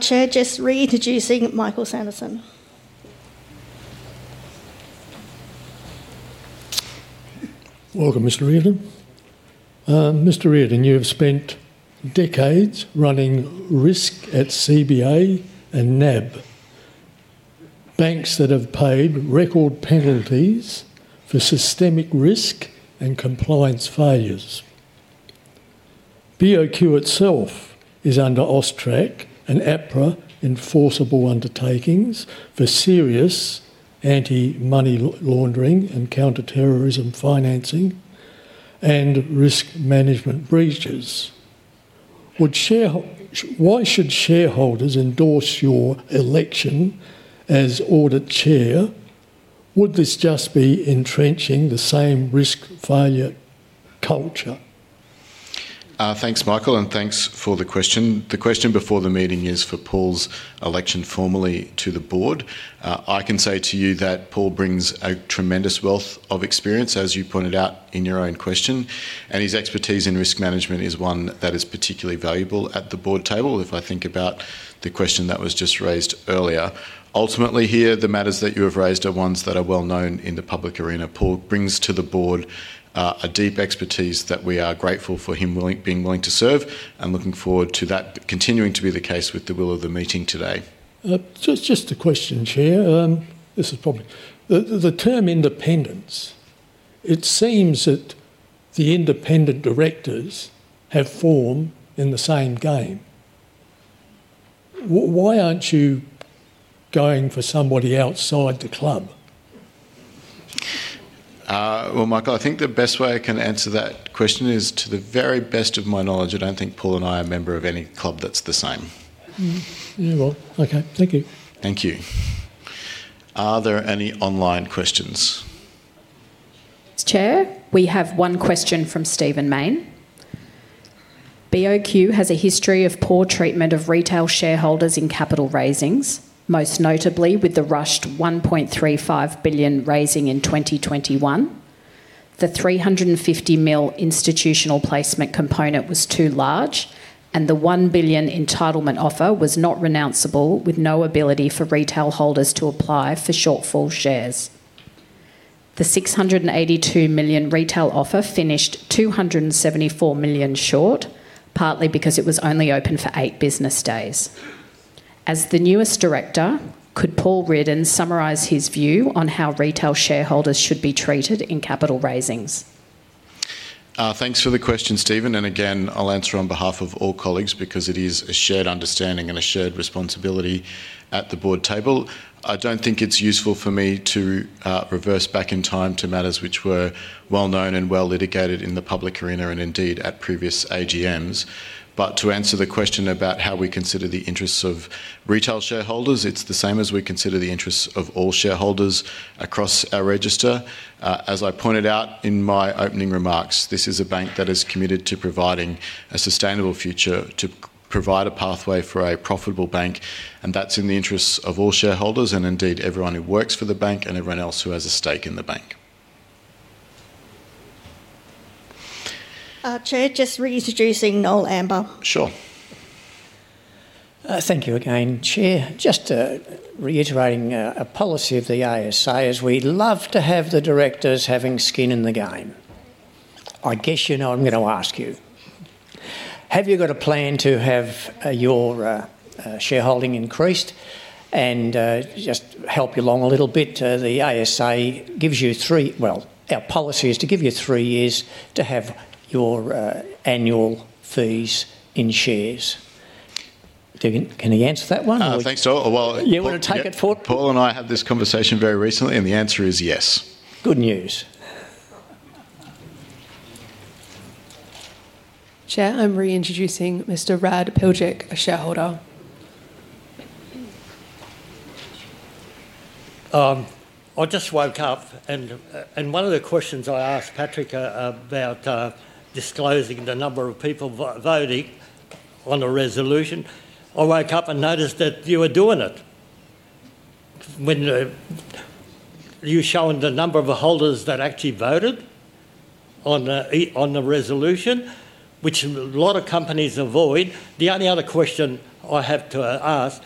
Chair, just reintroducing Michael Sanderson. Welcome, Mr. Riordan. Mr. Riordan, you have spent decades running risk at CBA and NAB, banks that have paid record penalties for systemic risk and compliance failures. BOQ itself is under AUSTRAC and APRA enforceable undertakings for serious anti-money laundering and counter-terrorism financing and risk management breaches. Why should shareholders endorse your election as audit chair? Would this just be entrenching the same risk failure culture? Thanks, Michael, and thanks for the question. The question before the meeting is for Paul's election formally to the board. I can say to you that Paul brings a tremendous wealth of experience, as you pointed out in your own question, and his expertise in risk management is one that is particularly valuable at the board table if I think about the question that was just raised earlier. Ultimately, here, the matters that you have raised are ones that are well known in the public arena. Paul brings to the board a deep expertise that we are grateful for him being willing to serve, and looking forward to that continuing to be the case with the will of the meeting today. Just a question, Chair. This is probably the term independence. It seems that the independent directors have form in the same game. Why aren't you going for somebody outside the club? Michael, I think the best way I can answer that question is, to the very best of my knowledge, I do not think Paul and I are a member of any club that is the same. Yeah, well, okay. Thank you. Thank you. Are there any online questions? Chair, we have one question from Stephen Mayne. BOQ has a history of poor treatment of retail shareholders in capital raisings, most notably with the rushed 1.35 billion raising in 2021. The 350 million institutional placement component was too large, and the 1 billion entitlement offer was not renounceable with no ability for retail holders to apply for shortfall shares. The 682 million retail offer finished 274 million short, partly because it was only open for eight business days. As the newest director, could Paul Riordan summarize his view on how retail shareholders should be treated in capital raisings? Thanks for the question, Stephen, and again, I'll answer on behalf of all colleagues because it is a shared understanding and a shared responsibility at the board table. I don't think it's useful for me to reverse back in time to matters which were well known and well litigated in the public arena and indeed at previous AGMs. To answer the question about how we consider the interests of retail shareholders, it's the same as we consider the interests of all shareholders across our register. As I pointed out in my opening remarks, this is a bank that is committed to providing a sustainable future, to provide a pathway for a profitable bank, and that's in the interests of all shareholders and indeed everyone who works for the bank and everyone else who has a stake in the bank. Chair, just reintroducing Noel Ambler. Sure. Thank you again, Chair. Just reiterating a policy of the ASA is we love to have the directors having skin in the game. I guess you know I'm going to ask you. Have you got a plan to have your shareholding increased? And just to help you along a little bit, the ASA gives you three—well, our policy is to give you three years to have your annual fees in shares. Can he answer that one? Thanks, Noel. You want to take it forward? Paul and I had this conversation very recently, and the answer is yes. Good news. Chair, I'm reintroducing Mr. Rad Piljik, a shareholder. I just woke up, and one of the questions I asked Patrick about disclosing the number of people voting on a resolution, I woke up and noticed that you were doing it. You're showing the number of holders that actually voted on the resolution, which a lot of companies avoid. The only other question I have to ask: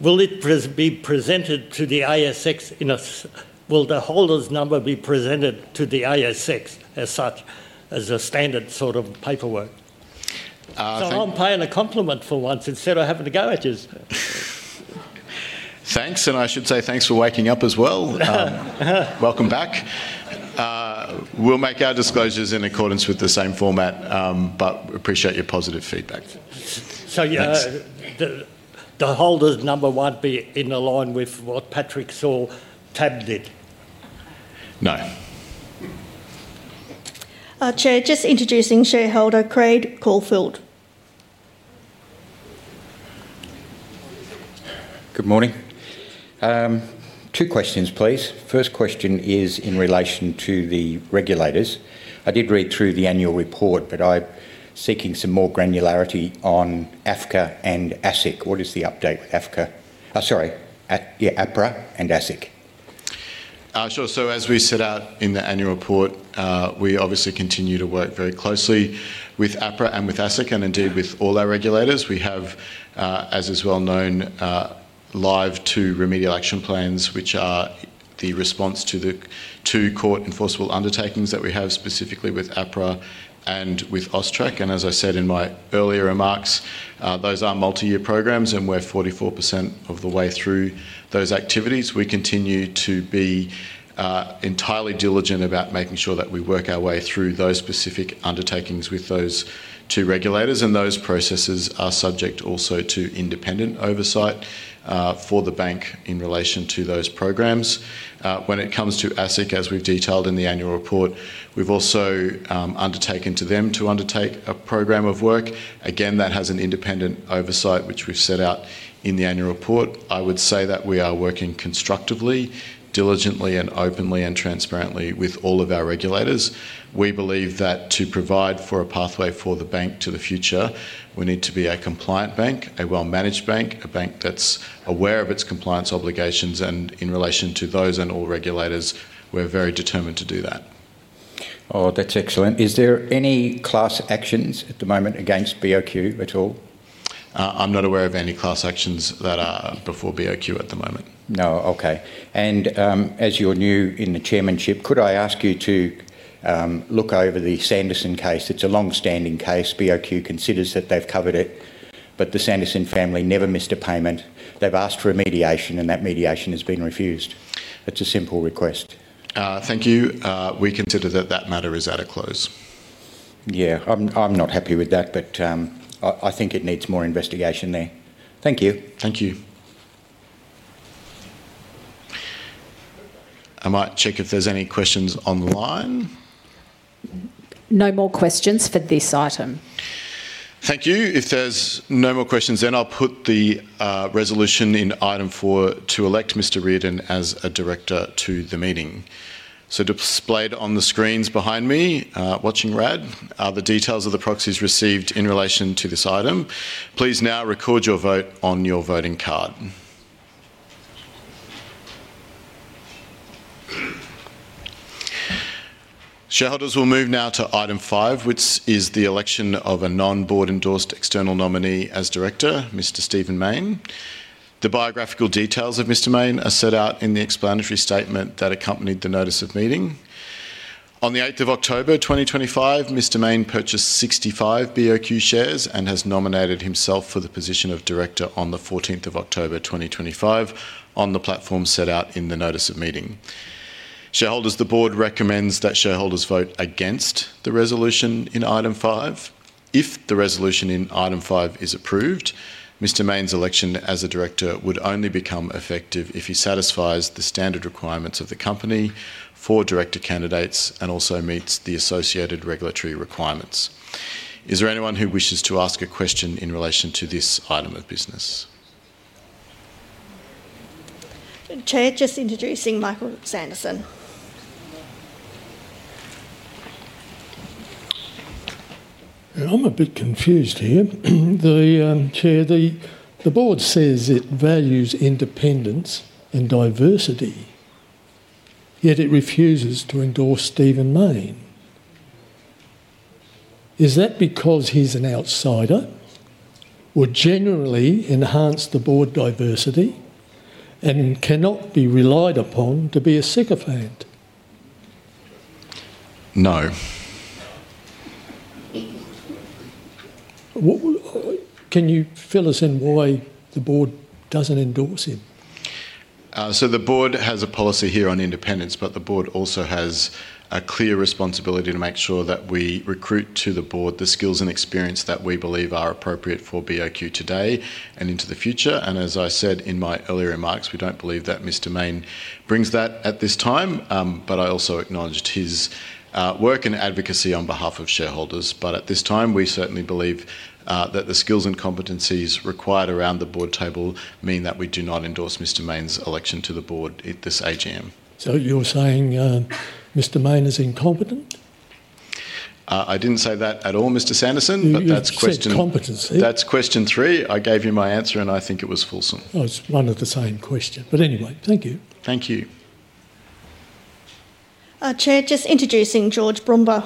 will it be presented to the ASX? Will the holders' number be presented to the ASX as such, as a standard sort of paperwork? I'm paying a compliment for once instead of having to go at you. Thanks, and I should say thanks for waking up as well. Welcome back. We'll make our disclosures in accordance with the same format, but we appreciate your positive feedback. The holders' number won't be in line with what Patrick Allaway did? No. Chair, just introducing shareholder Craig Caulfield. Good morning. Two questions, please. First question is in relation to the regulators. I did read through the annual report, but I'm seeking some more granularity on AFCA and ASIC. What is the update with AFCA? Sorry, APRA and ASIC. Sure. As we set out in the annual report, we obviously continue to work very closely with APRA and with ASIC, and indeed with all our regulators. We have, as is well known, live two remedial action plans, which are the response to the two court enforceable undertakings that we have specifically with APRA and with AUSTRAC. As I said in my earlier remarks, those are multi-year programs, and we're 44% of the way through those activities. We continue to be entirely diligent about making sure that we work our way through those specific undertakings with those two regulators, and those processes are subject also to independent oversight for the bank in relation to those programs. When it comes to ASIC, as we've detailed in the annual report, we've also undertaken to them to undertake a program of work. Again, that has an independent oversight, which we've set out in the annual report. I would say that we are working constructively, diligently, and openly and transparently with all of our regulators. We believe that to provide for a pathway for the bank to the future, we need to be a compliant bank, a well-managed bank, a bank that's aware of its compliance obligations, and in relation to those and all regulators, we're very determined to do that. Oh, that's excellent. Is there any class actions at the moment against BOQ at all? I'm not aware of any class actions that are before BOQ at the moment. No, okay. As you're new in the chairmanship, could I ask you to look over the Sanderson case? It's a long-standing case. BOQ considers that they've covered it, but the Sanderson family never missed a payment. They've asked for a mediation, and that mediation has been refused. It's a simple request. Thank you. We consider that that matter is at a close. Yeah, I'm not happy with that, but I think it needs more investigation there. Thank you. Thank you. I might check if there's any questions online. No more questions for this item. Thank you. If there's no more questions, then I'll put the resolution in item four to elect Mr. Riordan as a director to the meeting. Displayed on the screens behind me, watching Rad, are the details of the proxies received in relation to this item. Please now record your vote on your voting card. Shareholders will move now to item five, which is the election of a non-board-endorsed external nominee as director, Mr. Stephen Mayne. The biographical details of Mr. Mayne are set out in the explanatory statement that accompanied the notice of meeting. On the 8th of October 2025, Mr. Mayne purchased 65 BOQ shares and has nominated himself for the position of director on the 14th of October 2025 on the platform set out in the notice of meeting. Shareholders, the board recommends that shareholders vote against the resolution in item five. If the resolution in item five is approved, Mr. Mayne's election as a director would only become effective if he satisfies the standard requirements of the company for director candidates and also meets the associated regulatory requirements. Is there anyone who wishes to ask a question in relation to this item of business? Chair, just introducing Michael Sanderson. I'm a bit confused here. Chair, the board says it values independence and diversity, yet it refuses to endorse Stephen Mayne. Is that because he's an outsider who would generally enhance the board diversity and cannot be relied upon to be a sycophant? No. Can you fill us in why the board doesn't endorse him? The board has a policy here on independence, but the board also has a clear responsibility to make sure that we recruit to the board the skills and experience that we believe are appropriate for BOQ today and into the future. As I said in my earlier remarks, we don't believe that Mr. Mayne brings that at this time, but I also acknowledged his work and advocacy on behalf of shareholders. At this time, we certainly believe that the skills and competencies required around the board table mean that we do not endorse Mr. Mayne's election to the board at this AGM. You're saying Mr. Mayne is incompetent? I didn't say that at all, Mr. Sanderson, but that's question three. That's question three. I gave you my answer, and I think it was fulsome. It's one of the same question. Anyway, thank you. Thank you. Chair, just introducing George Baumber.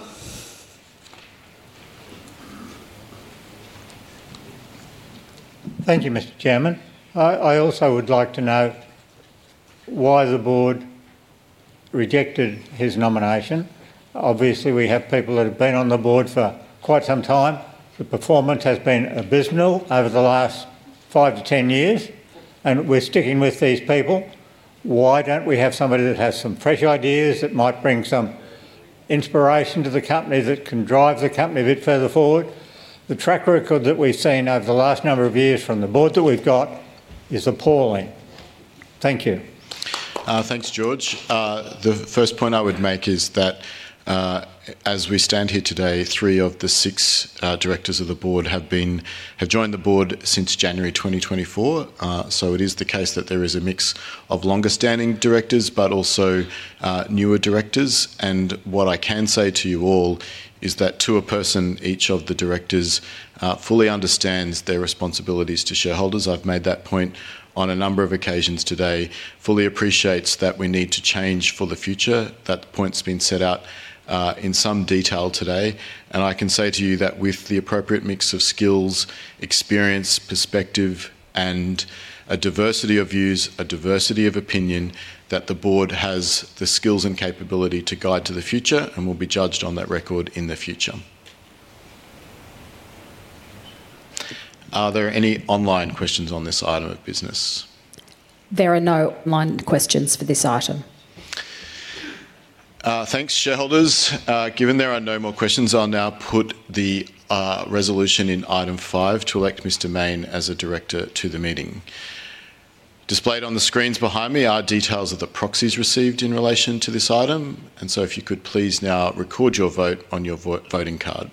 Thank you, Mr. Chairman. I also would like to know why the board rejected his nomination. Obviously, we have people that have been on the board for quite some time. The performance has been abysmal over the last five to ten years, and we're sticking with these people. Why don't we have somebody that has some fresh ideas that might bring some inspiration to the company that can drive the company a bit further forward? The track record that we've seen over the last number of years from the board that we've got is appalling. Thank you. Thanks, George. The first point I would make is that as we stand here today, three of the six directors of the board have joined the board since January 2024. It is the case that there is a mix of longer-standing directors, but also newer directors. What I can say to you all is that to a person, each of the directors fully understands their responsibilities to shareholders. I've made that point on a number of occasions today, fully appreciates that we need to change for the future. That point's been set out in some detail today. I can say to you that with the appropriate mix of skills, experience, perspective, and a diversity of views, a diversity of opinion, the board has the skills and capability to guide to the future and will be judged on that record in the future. Are there any online questions on this item of business? There are no online questions for this item. Thanks, shareholders. Given there are no more questions, I'll now put the resolution in item five to elect Mr. Mayne as a director to the meeting. Displayed on the screens behind me are details of the proxies received in relation to this item. If you could please now record your vote on your voting card.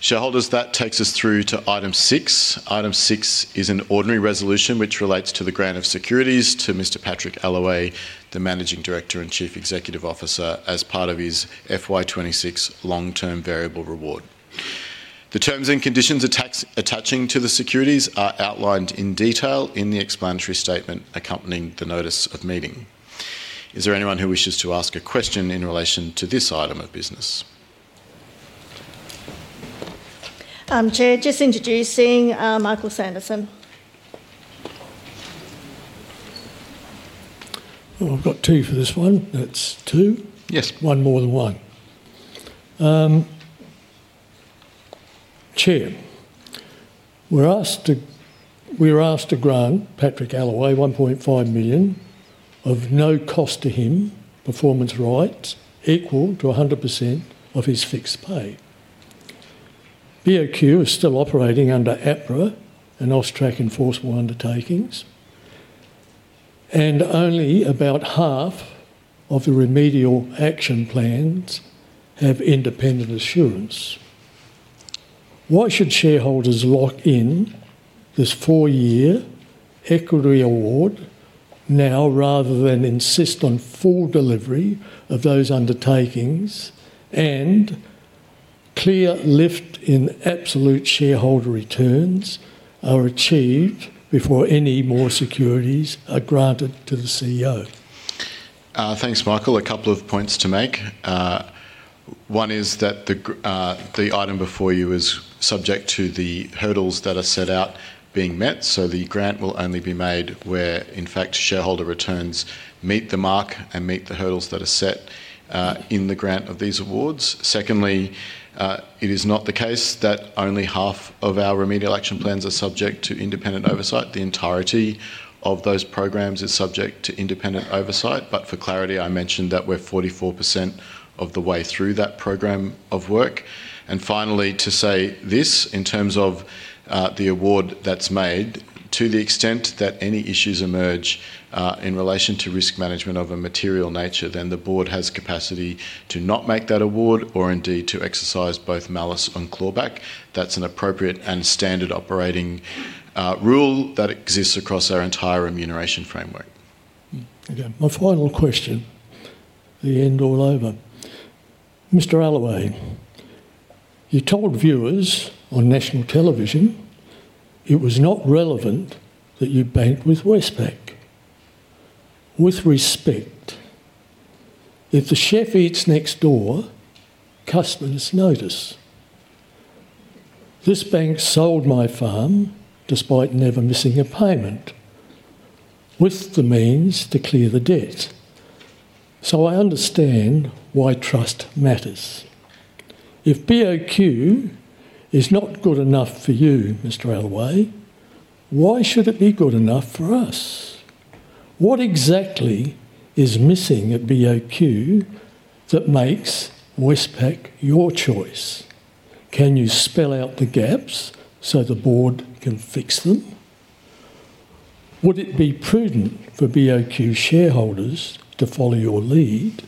Shareholders, that takes us through to item six. Item six is an ordinary resolution which relates to the grant of securities to Mr. Patrick Allaway, the Managing Director and Chief Executive Officer, as part of his FY 2026 long-term variable reward. The terms and conditions attaching to the securities are outlined in detail in the explanatory statement accompanying the notice of meeting. Is there anyone who wishes to ask a question in relation to this item of business? Chair, just introducing Michael Sanderson. I've got two for this one. That's two. Yes. One more than one. Chair, we're asked to grant Patrick Allaway 1.5 million of no cost to him, performance rights equal to 100% of his fixed pay. BOQ is still operating under APRA and AUSTRAC enforceable undertakings, and only about half of the remedial action plans have independent assurance. Why should shareholders lock in this four-year equity award now rather than insist on full delivery of those undertakings and clear lift in absolute shareholder returns are achieved before any more securities are granted to the CEO? Thanks, Michael. A couple of points to make. One is that the item before you is subject to the hurdles that are set out being met. The grant will only be made where, in fact, shareholder returns meet the mark and meet the hurdles that are set in the grant of these awards. Secondly, it is not the case that only half of our remedial action plans are subject to independent oversight. The entirety of those programs is subject to independent oversight. For clarity, I mentioned that we're 44% of the way through that program of work. Finally, to say this in terms of the award that's made, to the extent that any issues emerge in relation to risk management of a material nature, then the board has capacity to not make that award or indeed to exercise both malus and clawback. That's an appropriate and standard operating rule that exists across our entire remuneration framework. My final question, the end all over. Mr. Allaway, you told viewers on national television it was not relevant that you banked with Westpac. With respect, if the chef eats next door, customers notice. This bank sold my farm despite never missing a payment with the means to clear the debt. I understand why trust matters. If BOQ is not good enough for you, Mr. Allaway, why should it be good enough for us? What exactly is missing at BOQ that makes Westpac your choice? Can you spell out the gaps so the board can fix them? Would it be prudent for BOQ shareholders to follow your lead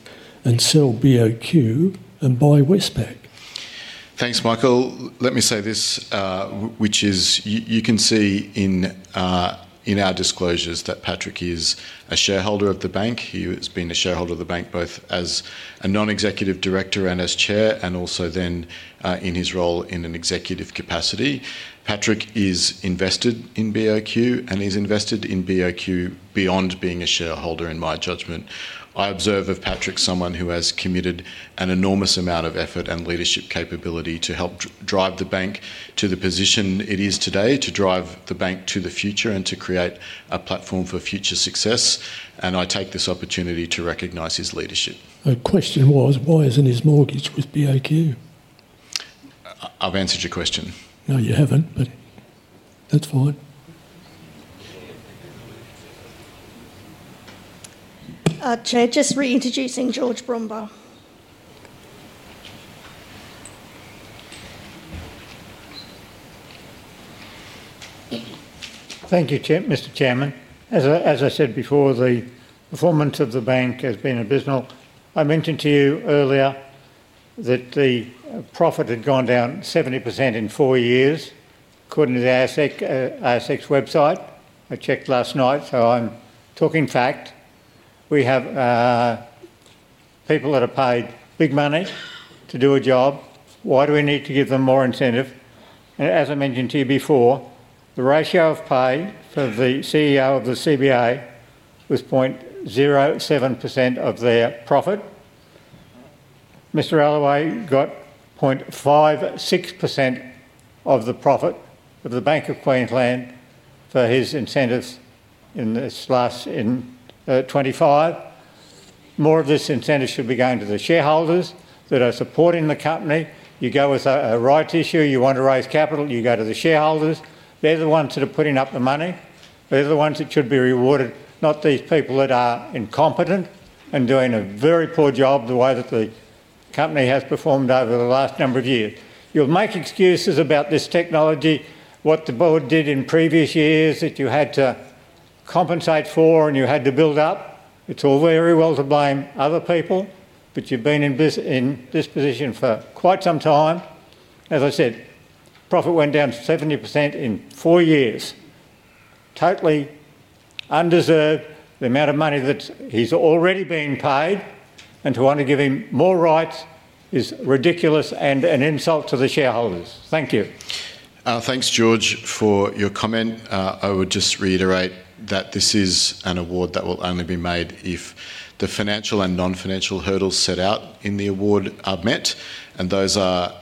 and sell BOQ and buy Westpac? Thanks, Michael. Let me say this, which is you can see in our disclosures that Patrick is a shareholder of the bank. He has been a shareholder of the bank both as a Non-Executive Director and as Chair, and also then in his role in an executive capacity. Patrick is invested in BOQ, and he's invested in BOQ beyond being a shareholder, in my judgment. I observe of Patrick someone who has committed an enormous amount of effort and leadership capability to help drive the bank to the position it is today, to drive the bank to the future, and to create a platform for future success. I take this opportunity to recognize his leadership. My question was, why isn't his mortgage with BOQ? I've answered your question. No, you haven't, but that's fine. Chair, just reintroducing George Baumber. Thank you, Mr. Chairman. As I said before, the performance of the bank has been abysmal. I mentioned to you earlier that the profit had gone down 70% in four years, according to the ASX website. I checked last night, so I'm talking fact. We have people that are paid big money to do a job. Why do we need to give them more incentive? As I mentioned to you before, the ratio of pay for the CEO of the CBA was 0.07% of their profit. Mr. Allaway got 0.56% of the profit of the Bank of Queensland for his incentives in 2025. More of this incentive should be going to the shareholders that are supporting the company. You go with a rights issue. You want to raise capital. You go to the shareholders. They're the ones that are putting up the money. They're the ones that should be rewarded, not these people that are incompetent and doing a very poor job the way that the company has performed over the last number of years. You'll make excuses about this technology, what the board did in previous years that you had to compensate for and you had to build up. It's all very well to blame other people, but you've been in this position for quite some time. As I said, profit went down 70% in four years. Totally undeserved. The amount of money that he's already being paid and to want to give him more rights is ridiculous and an insult to the shareholders. Thank you. Thanks, George, for your comment. I would just reiterate that this is an award that will only be made if the financial and non-financial hurdles set out in the award are met. Those are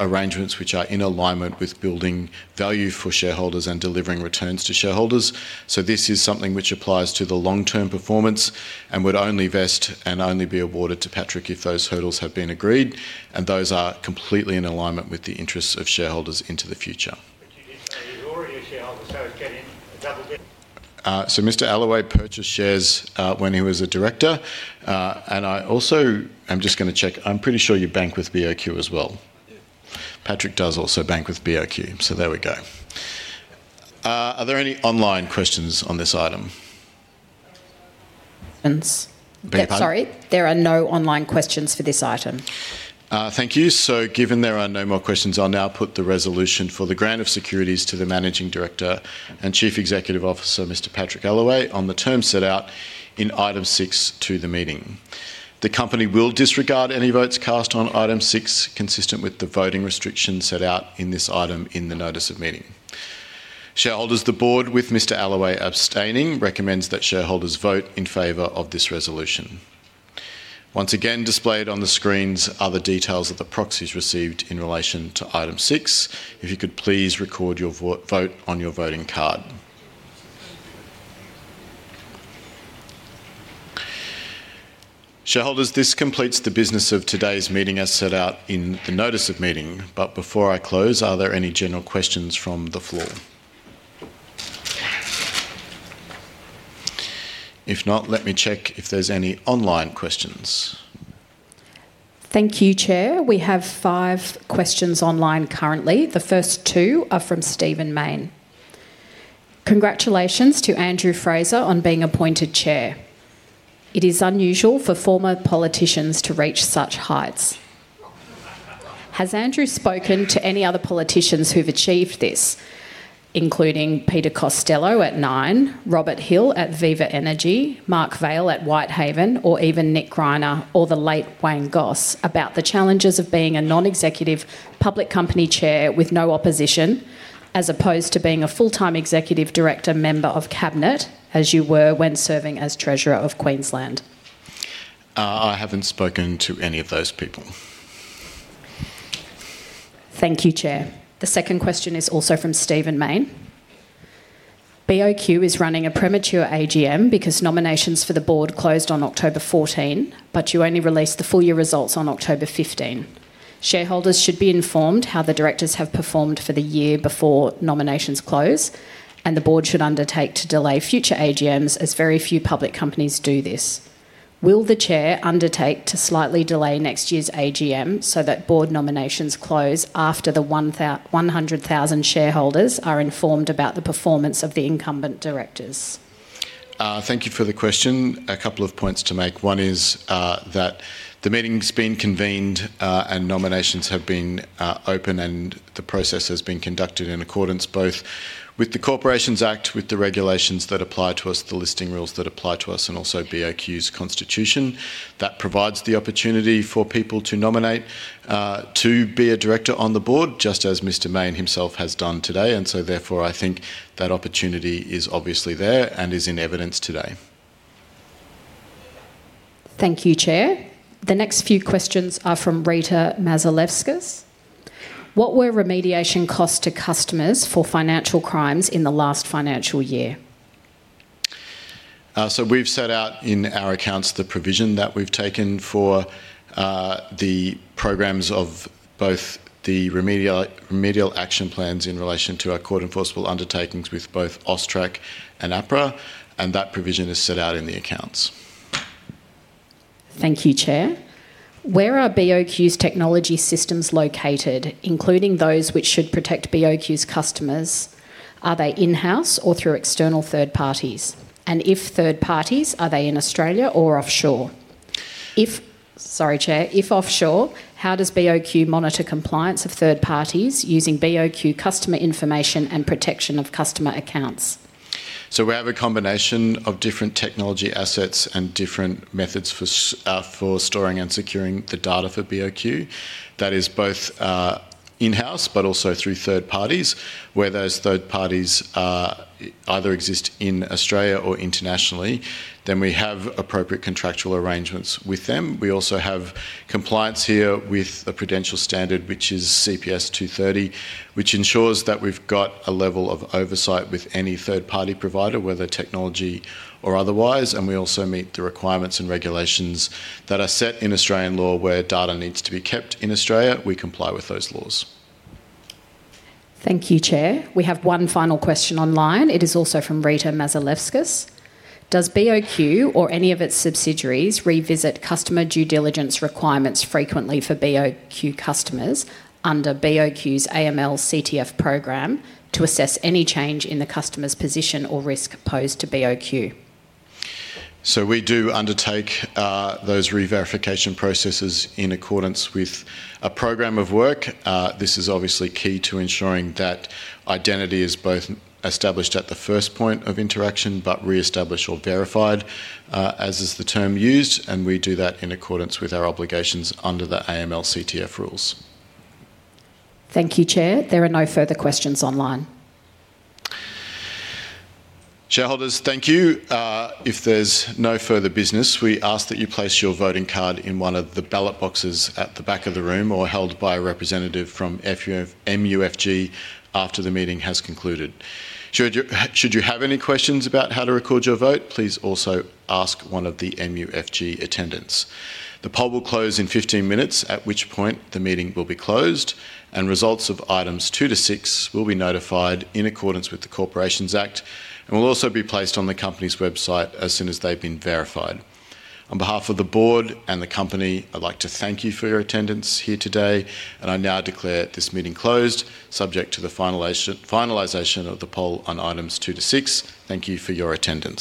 arrangements which are in alignment with building value for shareholders and delivering returns to shareholders. This is something which applies to the long-term performance and would only vest and only be awarded to Patrick if those hurdles have been agreed. Those are completely in alignment with the interests of shareholders into the future. Who are your shareholders? How is getting a double? Mr. Allaway purchased shares when he was a director. I also am just going to check. I'm pretty sure you bank with BOQ as well. Patrick does also bank with BOQ. There we go. Are there any online questions on this item? Sorry. There are no online questions for this item. Thank you. Given there are no more questions, I'll now put the resolution for the grant of securities to the Managing Director and Chief Executive Officer, Mr. Patrick Allaway, on the terms set out in item six to the meeting. The company will disregard any votes cast on item six consistent with the voting restrictions set out in this item in the notice of meeting. Shareholders, the board, with Mr. Allaway abstaining, recommends that shareholders vote in favor of this resolution. Once again, displayed on the screens are the details of the proxies received in relation to item six. If you could please record your vote on your voting card. Shareholders, this completes the business of today's meeting as set out in the notice of meeting. Before I close, are there any general questions from the floor? If not, let me check if there are any online questions. Thank you, Chair. We have five questions online currently. The first two are from Stephen Mayne. Congratulations to Andrew Fraser on being appointed chair. It is unusual for former politicians to reach such heights. Has Andrew spoken to any other politicians who've achieved this, including Peter Costello at Nine, Robert Hill at Viva Energy, Mark Vaile at Whitehaven, or even Nick Greiner or the late Wayne Goss about the challenges of being a non-executive public company chair with no opposition as opposed to being a full-time executive director member of cabinet as you were when serving as Treasurer of Queensland? I haven't spoken to any of those people. Thank you, Chair. The second question is also from Stephen Mayne. BOQ is running a premature AGM because nominations for the board closed on October 14, but you only released the full year results on October 15. Shareholders should be informed how the directors have performed for the year before nominations close, and the board should undertake to delay future AGMs as very few public companies do this. Will the chair undertake to slightly delay next year's AGM so that board nominations close after the 100,000 shareholders are informed about the performance of the incumbent directors? Thank you for the question. A couple of points to make. One is that the meeting's been convened and nominations have been open and the process has been conducted in accordance both with the Corporations Act, with the regulations that apply to us, the listing rules that apply to us, and also BOQ's constitution. That provides the opportunity for people to nominate to be a director on the board, just as Mr. Mayne himself has done today. Therefore, I think that opportunity is obviously there and is in evidence today. Thank you, Chair. The next few questions are from Rita Mazalevskis. What were remediation costs to customers for financial crimes in the last financial year? We have set out in our accounts the provision that we have taken for the programs of both the remedial action plans in relation to our court enforceable undertakings with both AUSTRAC and APRA. That provision is set out in the accounts. Thank you, Chair. Where are BOQ's technology systems located, including those which should protect BOQ's customers? Are they in-house or through external third parties? If third parties, are they in Australia or offshore? Sorry, Chair. If offshore, how does BOQ monitor compliance of third parties using BOQ customer information and protection of customer accounts? We have a combination of different technology assets and different methods for storing and securing the data for BOQ. That is both in-house but also through third parties, where those third parties either exist in Australia or internationally. We have appropriate contractual arrangements with them. We also have compliance here with a prudential standard, which is CPS 230, which ensures that we've got a level of oversight with any third-party provider, whether technology or otherwise. We also meet the requirements and regulations that are set in Australian law where data needs to be kept in Australia. We comply with those laws. Thank you, Chair. We have one final question online. It is also from Rita Mazalevskis. Does BOQ or any of its subsidiaries revisit customer due diligence requirements frequently for BOQ customers under BOQ's AML CTF program to assess any change in the customer's position or risk posed to BOQ? We do undertake those re-verification processes in accordance with a program of work. This is obviously key to ensuring that identity is both established at the first point of interaction but re-established or verified, as is the term used. We do that in accordance with our obligations under the AML/CTF rules. Thank you, Chair. There are no further questions online. Shareholders, thank you. If there is no further business, we ask that you place your voting card in one of the ballot boxes at the back of the room or held by a representative from MUFG after the meeting has concluded. Should you have any questions about how to record your vote, please also ask one of the MUFG attendants. The poll will close in 15 minutes, at which point the meeting will be closed, and results of items two to six will be notified in accordance with the Corporations Act and will also be placed on the company's website as soon as they've been verified. On behalf of the board and the company, I'd like to thank you for your attendance here today. I now declare this meeting closed, subject to the finalization of the poll on items two to six. Thank you for your attendance.